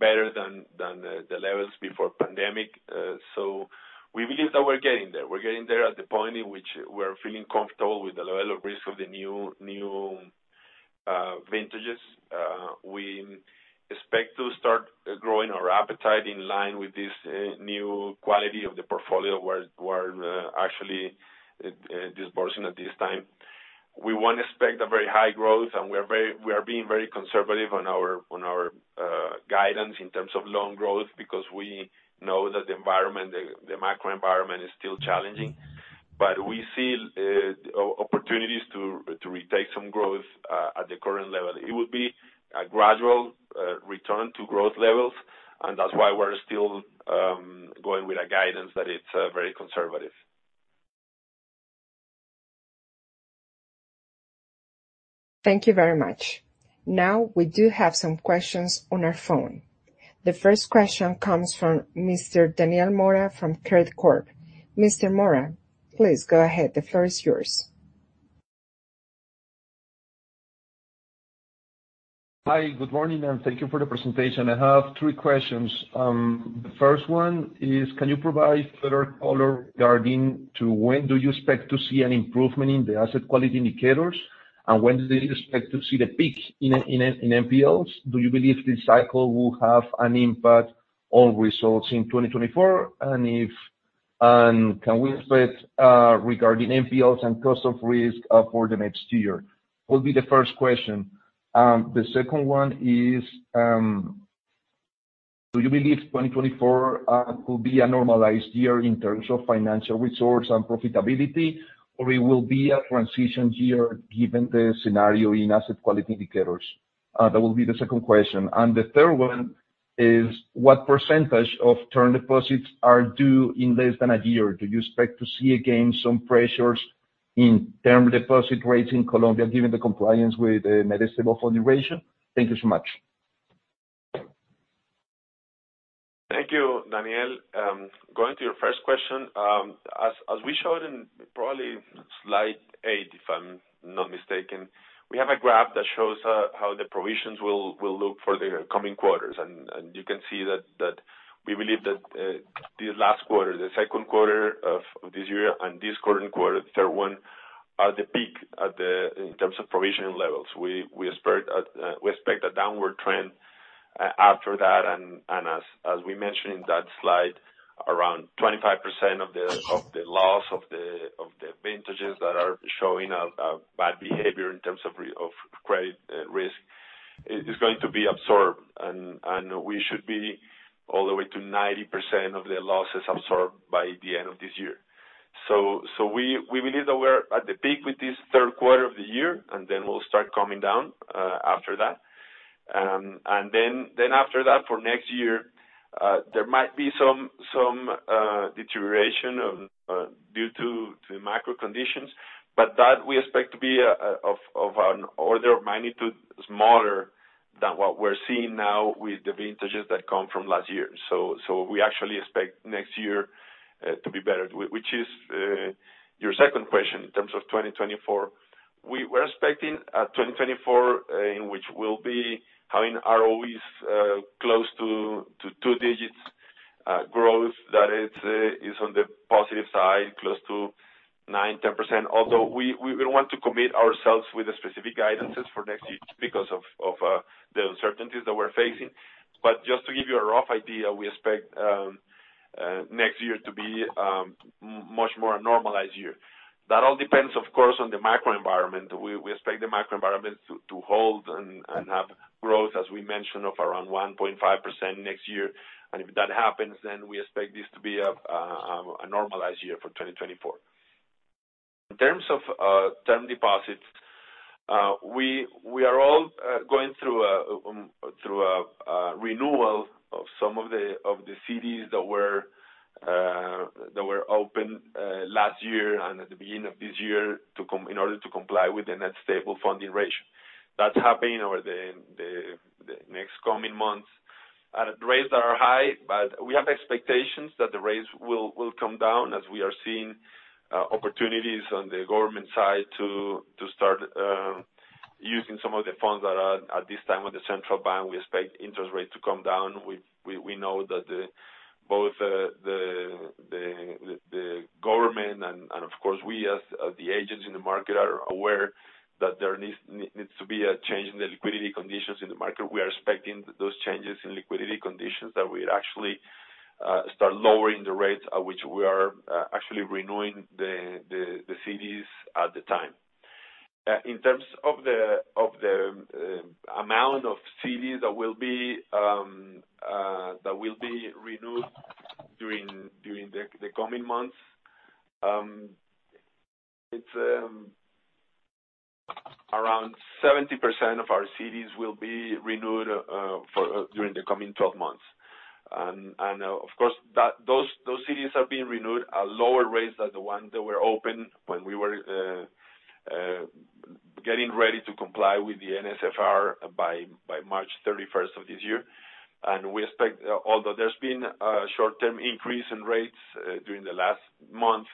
better than the levels before pandemic. So we believe that we're getting there. We're getting there at the point in which we're feeling comfortable with the level of risk of the new vintages. We expect to start growing our appetite in line with this new quality of the portfolio, we're actually disbursing at this time. We won't expect a very high growth, and we are being very conservative on our guidance in terms of loan growth, because we know that the environment, the macro environment, is still challenging. We see opportunities to retake some growth at the current level. It would be a gradual return to growth levels. That's why we're still going with a guidance that it's very conservative. Thank you very much. Now, we do have some questions on our phone. The first question comes from Mr. Daniel Mora from Credicorp Capital. Mr. Mora, please go ahead. The floor is yours. Hi, good morning, and thank you for the presentation. I have three questions. The first one is: Can you provide further color regarding to when do you expect to see an improvement in the asset quality indicators, and when do you expect to see the peak in NPLs? Do you believe this cycle will have an impact on results in 2024? Can we expect regarding NPLs and cost of risk for the next year? Will be the first question. The second one is, do you believe 2024 could be a normalized year in terms of financial resource and profitability, or it will be a transition year given the scenario in asset quality indicators?... that will be the second question. The third one is, what percentage of term deposits are due in less than a year? Do you expect to see again some pressures in term deposit rates in Colombia, given the compliance with the net stable funding ratio? Thank you so much. Thank you, Daniel. Going to your first question, as, as we showed in probably slide eight, if I'm not mistaken, we have a graph that shows how the provisions will, will look for the coming quarters. You can see that, that we believe that the last quarter, the second quarter of, of this year and this current quarter, the third one, are the peak in terms of provision levels. We, we expect, we expect a downward trend after that, and, and as, as we mentioned in that slide, around 25% of the, of the loss of the, of the vintages that are showing a, a bad behavior in terms of of credit risk, is, is going to be absorbed. We should be all the way to 90% of the losses absorbed by the end of this year. We, we believe that we're at the peak with this third quarter of the year, and then we'll start coming down after that. After that, for next year, there might be some, some deterioration of due to the macro conditions, but that we expect to be of an order of magnitude smaller than what we're seeing now with the vintages that come from last year. We actually expect next year to be better. Which is your second question in terms of 2024. We're expecting 2024 in which we'll be having ROEs close to two digits growth. That is, is on the positive side, close to 9%-10%. Although we, we don't want to commit ourselves with the specific guidances for next year because of, of, the uncertainties that we're facing. Just to give you a rough idea, we expect, next year to be, much more a normalized year. That all depends, of course, on the macro environment. We, we expect the macro environment to, to hold and, and have growth, as we mentioned, of around 1.5% next year. If that happens, then we expect this to be, a normalized year for 2024. In terms of term deposits, we, we are all going through through a renewal of some of the CDs that were that were opened last year and at the beginning of this year in order to comply with the net stable funding ratio. That's happening over the, the, the next coming months, at rates that are high, but we have expectations that the rates will, will come down as we are seeing opportunities on the government side to, to start using some of the funds that are at this time with the central bank. We expect interest rates to come down. We know that both the government and of course, we as the agents in the market are aware that there needs to be a change in the liquidity conditions in the market. We are expecting those changes in liquidity conditions that will actually start lowering the rates at which we are actually renewing the CDs at the time. In terms of the amount of CDs that will be renewed during the coming months, it's around 70% of our CDs will be renewed during the coming 12 months. Of course, those, those CDs are being renewed at lower rates than the ones that were open when we were getting ready to comply with the NSFR by, by March 31st of this year. We expect, although there's been a short-term increase in rates during the last month,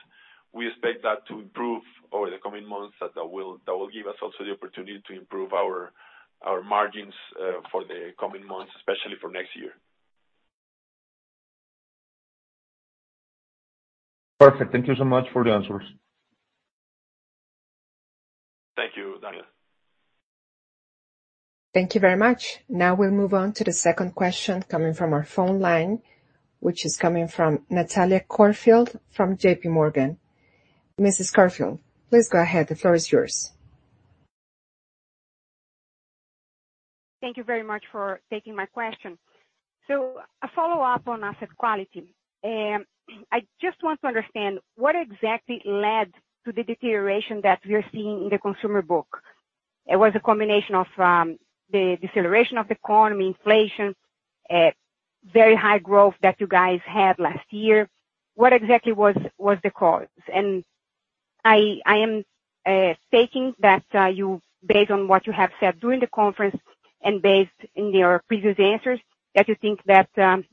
we expect that to improve over the coming months. That will, that will give us also the opportunity to improve our, our margins for the coming months, especially for next year. Perfect. Thank you so much for the answers. Thank you, Daniel. Thank you very much. Now we'll move on to the second question coming from our phone line, which is coming from Natalia Corfield, from J.P. Morgan. Mrs. Corfield, please go ahead. The floor is yours. Thank you very much for taking my question. A follow-up on asset quality. I just want to understand, what exactly led to the deterioration that we are seeing in the consumer book? It was a combination of the deceleration of the economy, inflation, very high growth that you guys had last year. What exactly was, was the cause? I, I am stating that you, based on what you have said during the conference and based in your previous answers, that you think that the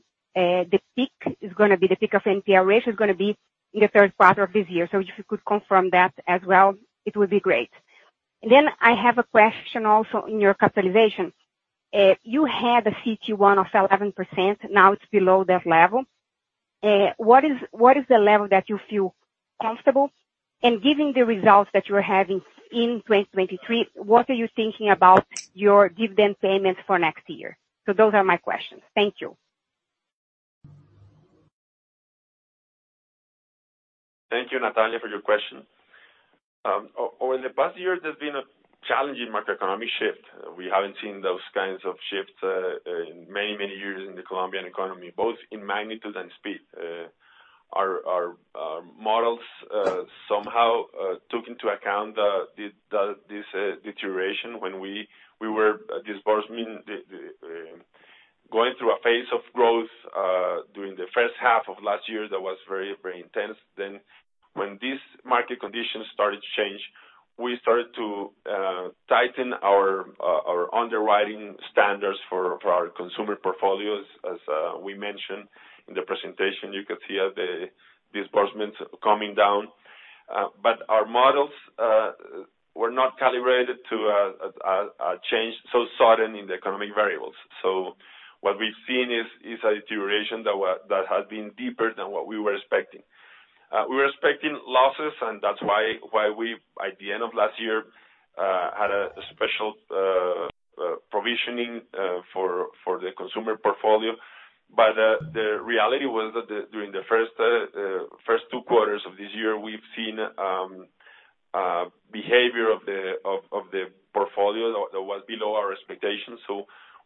peak is gonna be, the peak of NPL ratio is gonna be in the third quarter of this year. If you could confirm that as well, it would be great. I have a question also in your capitalization. You had a CET1 of 11%, now it's below that level. What is the level that you feel comfortable? Given the results that you are having in 2023, what are you thinking about your dividend payments for next year? Those are my questions. Thank you. Thank you, Natalia, for your question. Over the past year, there's been a challenging macroeconomic shift. We haven't seen those kinds of shifts in many, many years in the Colombian economy, both in magnitude and speed. Our, our, our models somehow took into account the, the, this deterioration when we, we were disbursing the, the, going through a phase of growth during the first half of last year that was very, very intense. When these market conditions started to change, we started to tighten our underwriting standards for, for our consumer portfolios. As we mentioned in the presentation, you can see how the disbursements coming down. Our models were not calibrated to a, a, a change so sudden in the economic variables. What we've seen is a deterioration that has been deeper than what we were expecting. We were expecting losses, and that's why we, by the end of last year, had a special provisioning for the consumer portfolio. The reality was that during the first two quarters of this year, we've seen behavior of the portfolio that was below our expectations.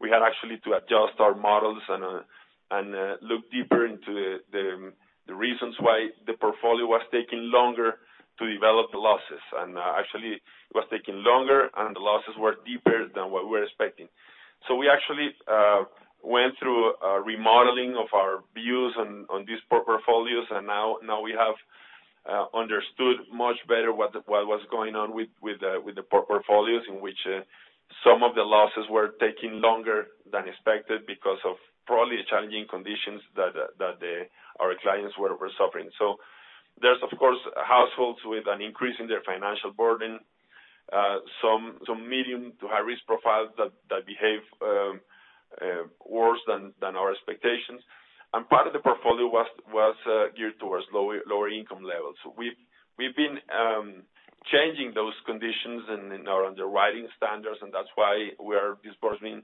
We had actually to adjust our models and look deeper into the reasons why the portfolio was taking longer to develop the losses. Actually, it was taking longer, and the losses were deeper than what we were expecting. We actually went through a remodeling of our views on, on these poor portfolios, and now, now we have understood much better what was going on with, with the, with the poor portfolios, in which some of the losses were taking longer than expected because of probably challenging conditions that our clients were suffering. There's, of course, households with an increase in their financial burden, some, some medium to high-risk profiles that, that behave worse than, than our expectations. Part of the portfolio was, was geared towards lower, lower income levels. We've, we've been changing those conditions and, and our underwriting standards, and that's why we are disbursing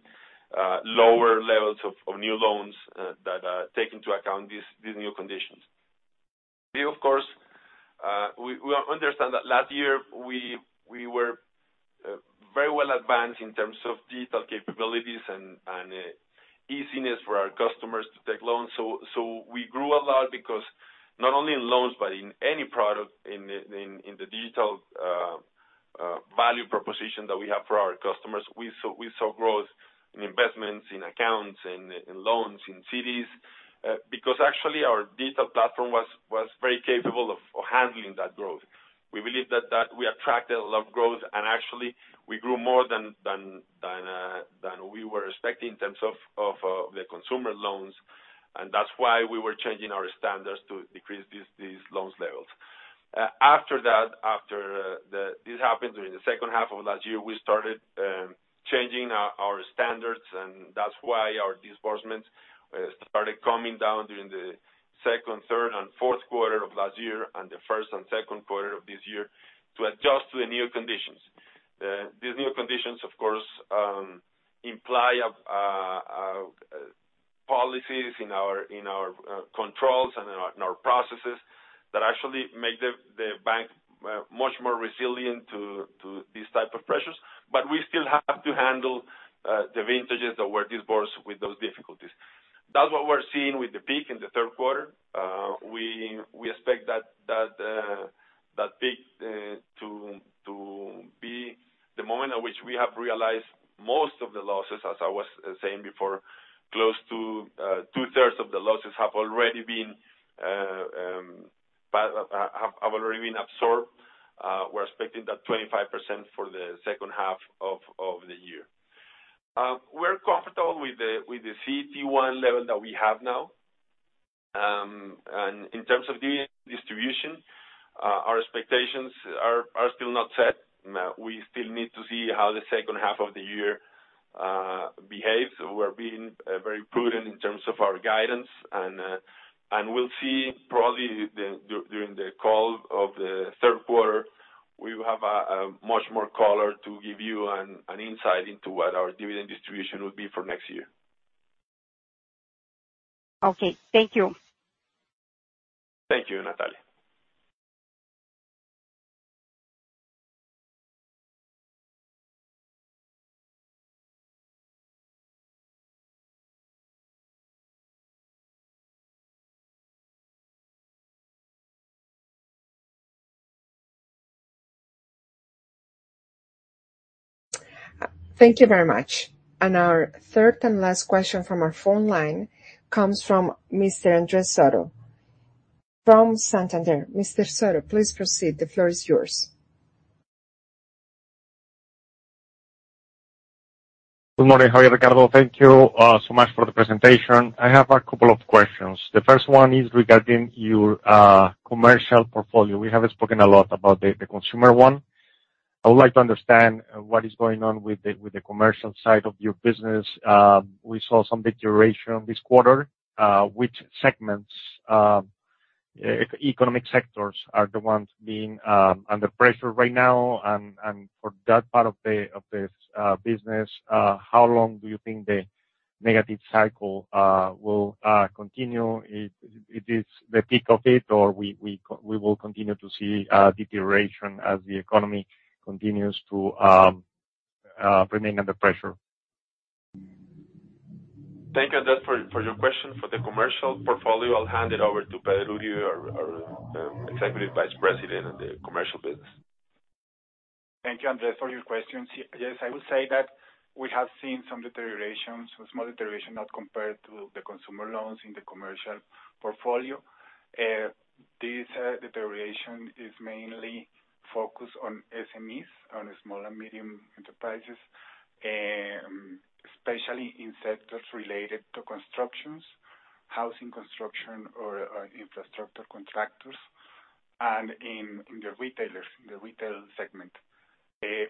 lower levels of, of new loans that take into account these, these new conditions. We, of course, we, we understand that last year, we, we were very well advanced in terms of digital capabilities and easiness for our customers to take loans. We grew a lot because not only in loans, but in any product in the digital value proposition that we have for our customers. We saw growth in investments, in accounts, in loans, in CDs, because actually our digital platform was very capable of handling that growth. We believe that we attracted a lot of growth, and actually we grew more than we were expecting in terms of the consumer loans, and that's why we were changing our standards to decrease these loans levels. After that, after the... This happened during the second half of last year, we started changing our, our standards, and that's why our disbursements started coming down during the second, third, and fourth quarter of last year and the first and second quarter of this year to adjust to the new conditions. These new conditions, of course, imply policies in our, in our controls and in our, in our processes that actually make the, the bank much more resilient to, to these type of pressures. We still have to handle the vintages that were disbursed with those difficulties. That's what we're seeing with the peak in the third quarter. We, we expect that, that peak to, to be the moment at which we have realized most of the losses. As I was saying before, close to 2/3 of the losses have already been absorbed. We're expecting that 25% for the second half of the year. We're comfortable with the CET1 level that we have now. In terms of dividend distribution, our expectations are still not set. We still need to see how the second half of the year behaves. We're being very prudent in terms of our guidance, and we'll see probably during the call of the third quarter, we will have a much more color to give you an insight into what our dividend distribution will be for next year. Okay. Thank you. Thank you, Natalia. Thank you very much. Our third and last question from our phone line comes from Mr. Andres Soto from Santander. Mr. Soto, please proceed. The floor is yours. Good morning, how are you, Ricardo? Thank you, so much for the presentation. I have a couple of questions. The first one is regarding your commercial portfolio. We have spoken a lot about the, the consumer one. I would like to understand what is going on with the, with the commercial side of your business. We saw some deterioration this quarter. Which segments, economic sectors are the ones being under pressure right now? For that part of this business, how long do you think the negative cycle will continue? It is the peak of it, or we will continue to see deterioration as the economy continues to remain under pressure?... Thank you, Andres, for your question. For the commercial portfolio, I'll hand it over to Pedro Uribe, our Executive Vice President in the commercial business. Thank you, Andres, for your questions. Yes, I will say that we have seen some deteriorations, some small deterioration, not compared to the consumer loans in the commercial portfolio. This deterioration is mainly focused on SMEs, on small and medium enterprises, and especially in sectors related to constructions, housing construction or, or infrastructure contractors, and in, in the retailers, in the retail segment.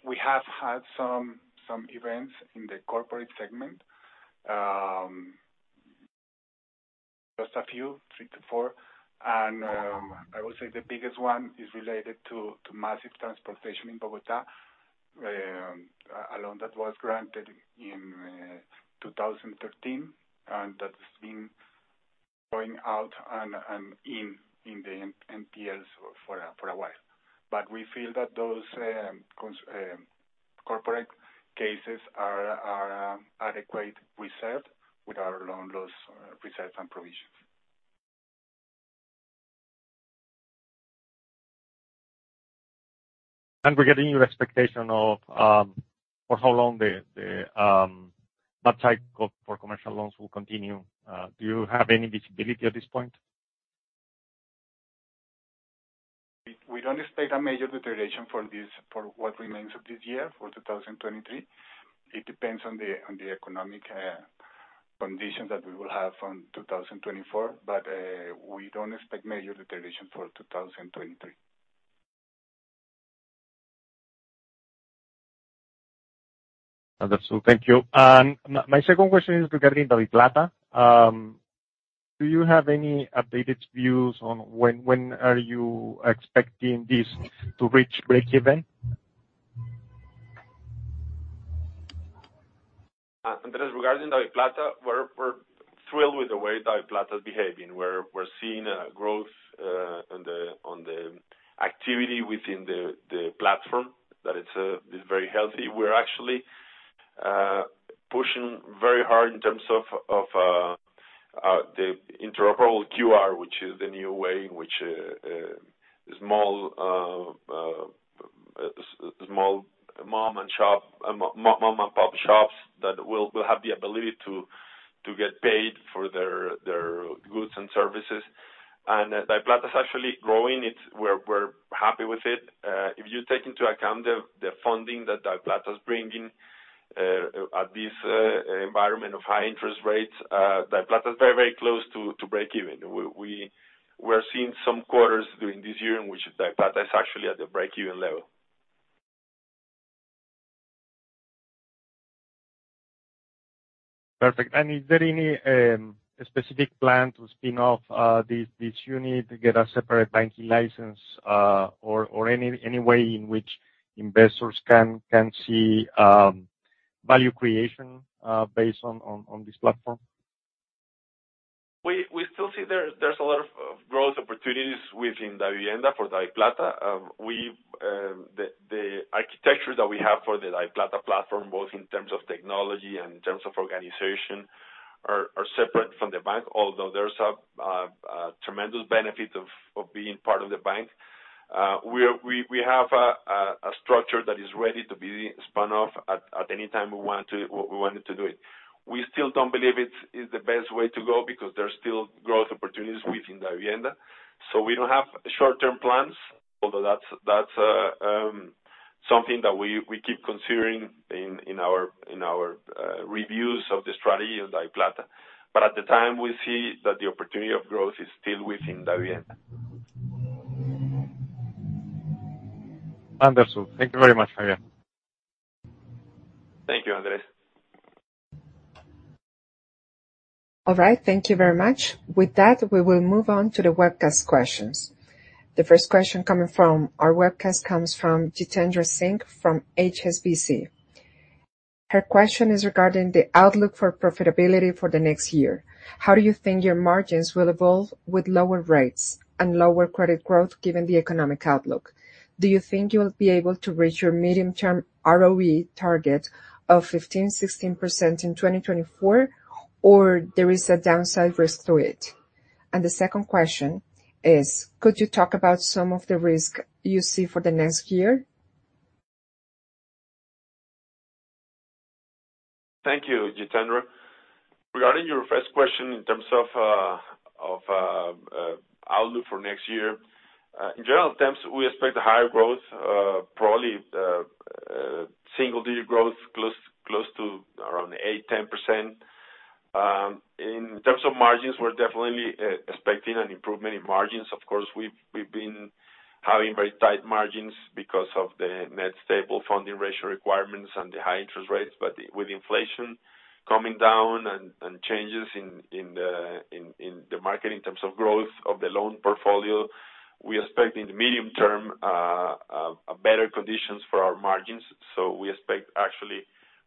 We have had some, some events in the corporate segment, just a few, three to four, and, I would say the biggest one is related to, to massive transportation in Bogotá. A loan that was granted in 2013, and that has been going out and, and in, in the NPLs for, for a while. We feel that those corporate cases are, are, adequate reserved with our loan loss reserves and provisions. Regarding your expectation of, for how long the that cycle for commercial loans will continue, do you have any visibility at this point? We, we don't expect a major deterioration for this, for what remains of this year, for 2023. It depends on the, on the economic, conditions that we will have from 2024, but, we don't expect major deterioration for 2023. Understood. Thank you. my, my second question is regarding DaviPlata. Do you have any updated views on when, when are you expecting this to reach breakeven? Andres, regarding DaviPlata, we're thrilled with the way DaviPlata is behaving. We're seeing a growth on the activity within the platform, that it's very healthy. We're actually pushing very hard in terms of the Interoperable QR, which is the new way in which small mom-and-pop shops that will have the ability to get paid for their goods and services. DaviPlata is actually growing. It's. We're happy with it. If you take into account the funding that DaviPlata is bringing at this environment of high interest rates, DaviPlata is very, very close to breakeven. We're seeing some quarters during this year in which DaviPlata is actually at the breakeven level. Perfect. Is there any specific plan to spin off this unit to get a separate banking license, or any way in which investors can see value creation based on this platform? We, we still see there, there's a lot of growth opportunities within Davivienda for DaviPlata. We, the architecture that we have for the DaviPlata platform, both in terms of technology and in terms of organization, are separate from the bank, although there's a tremendous benefit of being part of the bank. We, we have a structure that is ready to be spun off at any time we want to, we wanted to do it. We still don't believe it is the best way to go because there are still growth opportunities within Davivienda. We don't have short-term plans, although that's something that we keep considering in our reviews of the strategy on DaviPlata. At the time, we see that the opportunity of growth is still within Davivienda. Understood. Thank you very much, Javier. Thank you, Andres. All right. Thank you very much. With that, we will move on to the webcast questions. The first question coming from our webcast comes from Jitendra Singh from HSBC. Her question is regarding the outlook for profitability for the next year. How do you think your margins will evolve with lower rates and lower credit growth, given the economic outlook? Do you think you will be able to reach your medium-term ROE target of 15%-16% in 2024, or there is a downside risk to it? The second question is, could you talk about some of the risk you see for the next year? Thank you, Jitendra. Regarding your first question, in terms of outlook for next year, in general terms, we expect a higher growth, probably single-digit growth, close to around 8%-10%. In terms of margins, we're definitely expecting an improvement in margins. Of course, we've been having very tight margins because of the net stable funding ratio requirements and the high interest rates. With inflation coming down and changes in the market in terms of growth of the loan portfolio, we expect in the medium term better conditions for our margins. We expect actually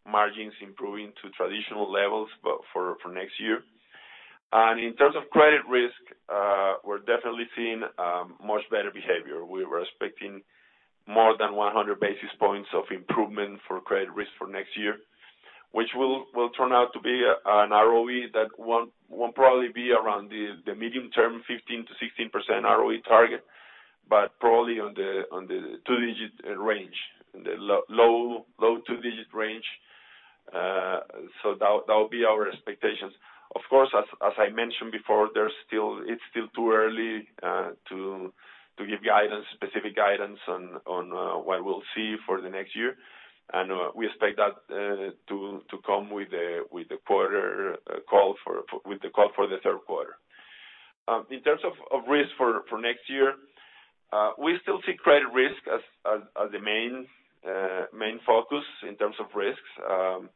margins improving to traditional levels, but for next year. In terms of credit risk, we're definitely seeing much better behavior. We were expecting more than 100 basis points of improvement for credit risk for next year, which will turn out to be an ROE that won't probably be around the medium term 15%-16% ROE target, but probably on the 2-digit range, in the low 2-digit range. That will be our expectations. Of course, as I mentioned before, it's still too early to give guidance, specific guidance on what we'll see for the next year. We expect that to come with the quarter call for the third quarter. In terms of risk for next year, we still see credit risk as the main focus in terms of risks.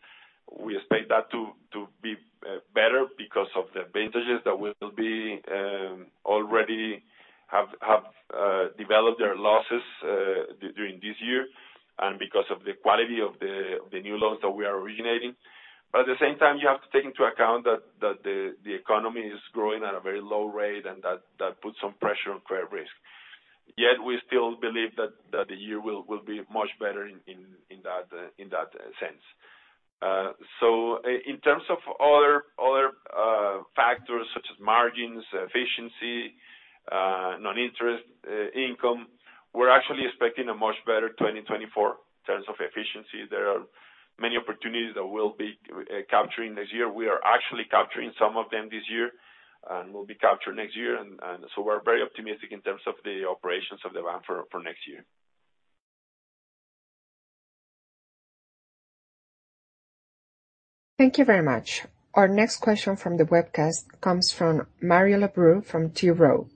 We expect that to, to be better because of the vintages that will be already have, have developed their losses during this year, and because of the quality of the new loans that we are originating. At the same time, you have to take into account that, that the economy is growing at a very low rate and that, that puts some pressure on credit risk. Yet we still believe that, that the year will, will be much better in, in that in that sense. So in terms of other, other factors such as margins, efficiency, non-interest income, we're actually expecting a much better 2024 in terms of efficiency. There are many opportunities that we'll be capturing this year. We are actually capturing some of them this year and will be capturing next year. So we're very optimistic in terms of the operations of the bank for, for next year. Thank you very much. Our next question from the webcast comes from Mariel Abreu from T. Rowe.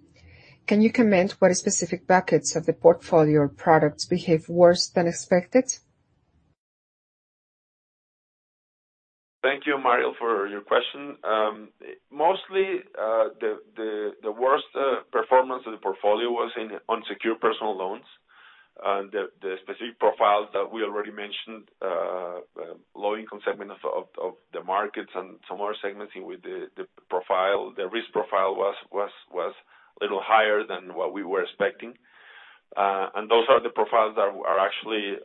Can you comment what specific buckets of the portfolio products behave worse than expected? Thank you, Mariel, for your question. Mostly, the worst performance of the portfolio was in unsecured personal loans. The specific profiles that we already mentioned, low-income segment of the markets and some other segments with the profile, the risk profile was, was, was a little higher than what we were expecting. Those are the profiles that are actually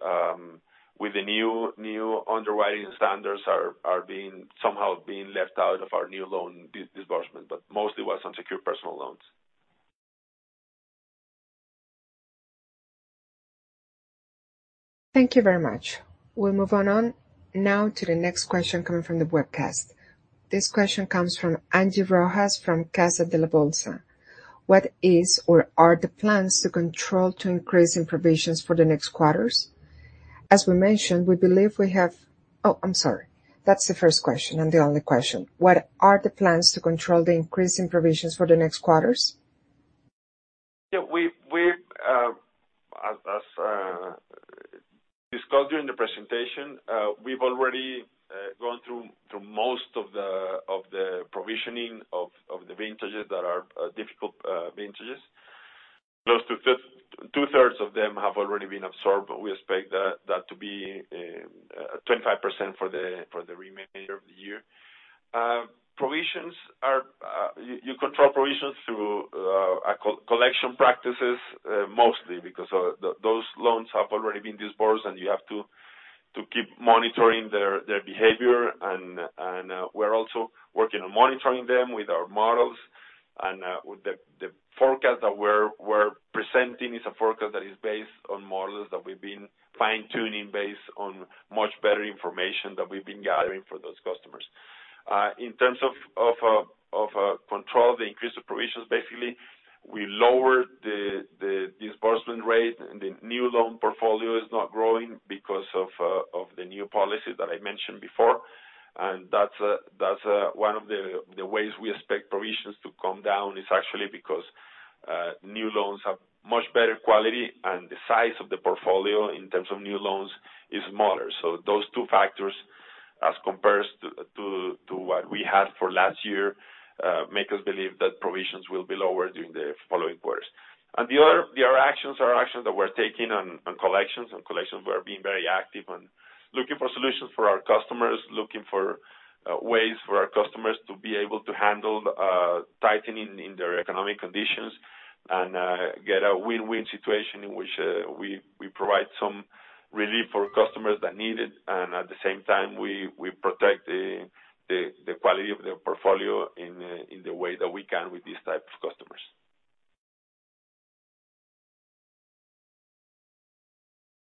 with the new, new underwriting standards are, are being somehow being left out of our new loan disbursement, but mostly was on secured personal loans. Thank you very much. We'll move on now to the next question coming from the webcast. This question comes from Angie Rojas, from Casa de Bolsa. What is or are the plans to control to increase in provisions for the next quarters? As we mentioned, we believe we have... Oh, I'm sorry. That's the first question and the only question: What are the plans to control the increase in provisions for the next quarters? Yeah, we've, we've, as discussed during the presentation, we've already gone through most of the provisioning of the vintages that are difficult vintages. Close to two-thirds of them have already been absorbed, but we expect that to be 25% for the remainder of the year. Provisions are, you control provisions through collection practices, mostly because those loans have already been disbursed, and you have to keep monitoring their behavior. We're also working on monitoring them with our models. The forecast that we're presenting is a forecast that is based on models that we've been fine-tuning based on much better information that we've been gathering for those customers. In terms of control, the increase of provisions, basically, we lowered the disbursement rate, and the new loan portfolio is not growing because of the new policy that I mentioned before. That's one of the ways we expect provisions to come down is actually because new loans have much better quality, and the size of the portfolio in terms of new loans is smaller. So those two factors, as compares to what we had for last year, make us believe that provisions will be lower during the following quarters. The other, the other actions are actions that we're taking on collections. On collections, we're being very active on looking for solutions for our customers, looking for ways for our customers to be able to handle tightening in their economic conditions and get a win-win situation in which we provide some relief for customers that need it, and at the same time, we protect the quality of the portfolio in the way that we can with these type of customers.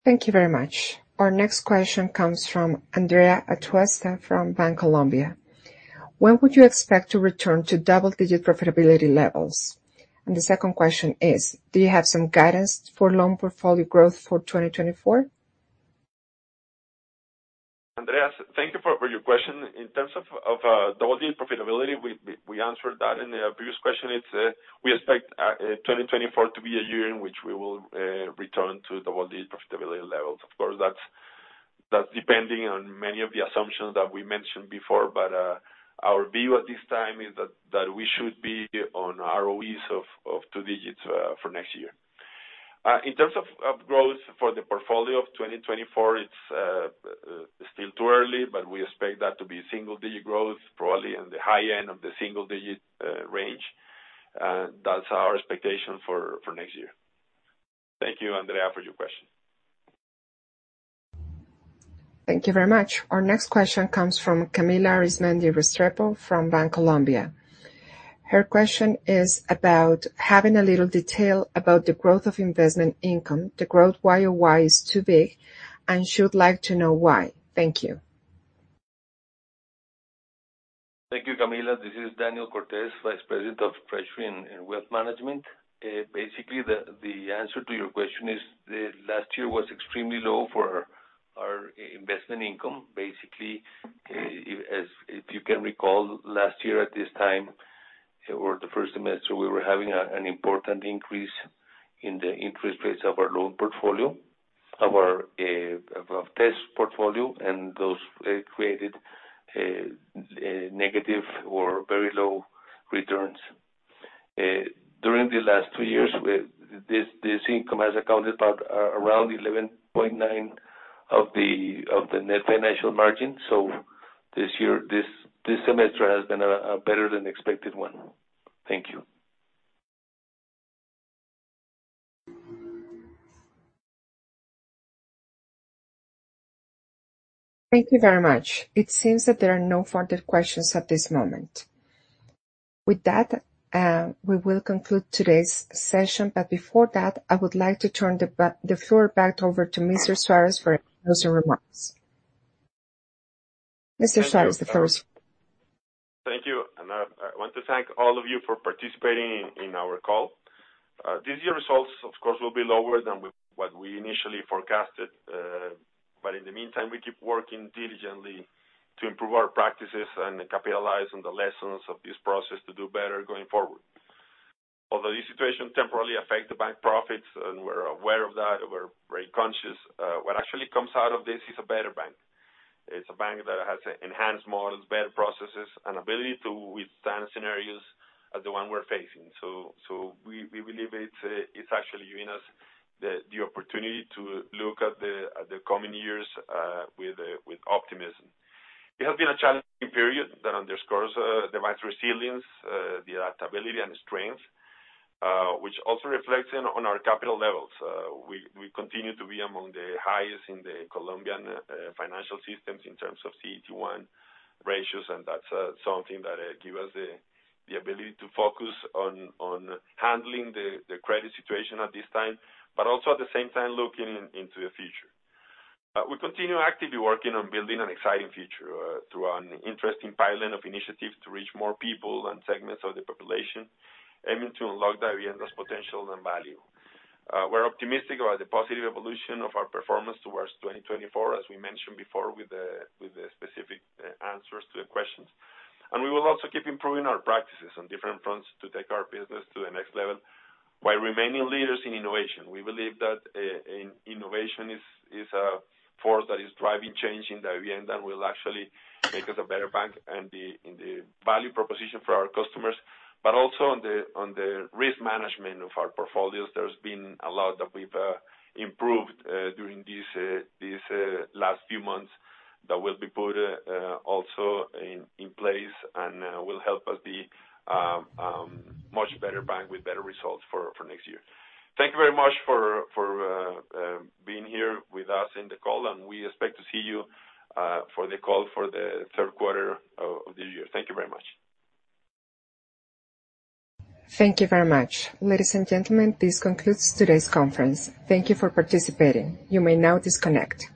Thank you very much. Our next question comes from Andrea Atuesta from Bancolombia. When would you expect to return to double-digit profitability levels? The second question is: Do you have some guidance for loan portfolio growth for 2024? Andrea, thank you for your question. In terms of double-digit profitability, we answered that in the previous question. It's, we expect 2024 to be a year in which we will return to double-digit profitability levels. Of course, that's depending on many of the assumptions that we mentioned before, our view at this time is that we should be on ROEs of two digits for next year. In terms of growth for the portfolio of 2024, it's still too early, we expect that to be single-digit growth, probably in the high end of the single-digit range. That's our expectation for next year. Thank you, Andrea, for your question. Thank you very much. Our next question comes from Camila Restrepo from Bancolombia. Her question is about having a little detail about the growth of investment income. The growth Y-o-Y is too big, and she would like to know why. Thank you. Thank you, Camila. This is Daniel Cortés, EVP of Treasury and Wealth Management. Basically, the answer to your question is the last year was extremely low for our investment income. Basically, if you can recall, last year at this time, or the first semester, we were having an important increase in the interest rates of our loan portfolio, of our TES portfolio, and those created a negative or very low returns. During the last two years, this income has accounted about around 11.9% of the net financial margin. This year, this semester has been a better than expected one. Thank you. Thank you very much. It seems that there are no further questions at this moment. With that, we will conclude today's session, but before that, I would like to turn the floor back over to Mr. Suárez for closing remarks. Mr. Suárez, the floor is yours. Thank you. I, I want to thank all of you for participating in, in our call. This year's results, of course, will be lower than we, what we initially forecasted, but in the meantime, we keep working diligently to improve our practices and capitalize on the lessons of this process to do better going forward. Although this situation temporarily affect the bank profits, and we're aware of that, we're very conscious, what actually comes out of this is a better bank. It's a bank that has enhanced models, better processes, and ability to withstand scenarios as the one we're facing. So we, we believe it's, it's actually giving us the, the opportunity to look at the, at the coming years, with, with optimism. It has been a challenging period that underscores the bank's resilience, the adaptability and strength, which also reflects on our capital levels. We continue to be among the highest in the Colombian financial systems in terms of CET1 ratios, and that's something that give us the ability to focus on handling the credit situation at this time, but also, at the same time, looking into the future. We continue actively working on building an exciting future through an interesting pilot of initiatives to reach more people and segments of the population, aiming to unlock the Davivienda's potential and value. We're optimistic about the positive evolution of our performance towards 2024, as we mentioned before, with the specific answers to the questions. We will also keep improving our practices on different fronts to take our business to the next level, while remaining leaders in innovation. We believe that innovation is, is a force that is driving change in Davivienda and will actually make us a better bank and the, and the value proposition for our customers, but also on the, on the risk management of our portfolios, there's been a lot that we've improved during these, these last few months that will be put also in, in place and will help us be much better bank with better results for, for next year. Thank you very much for, for being here with us in the call, and we expect to see you for the call for the third quarter of, of the year. Thank you very much. Thank you very much. Ladies and gentlemen, this concludes today's conference. Thank you for participating. You may now disconnect.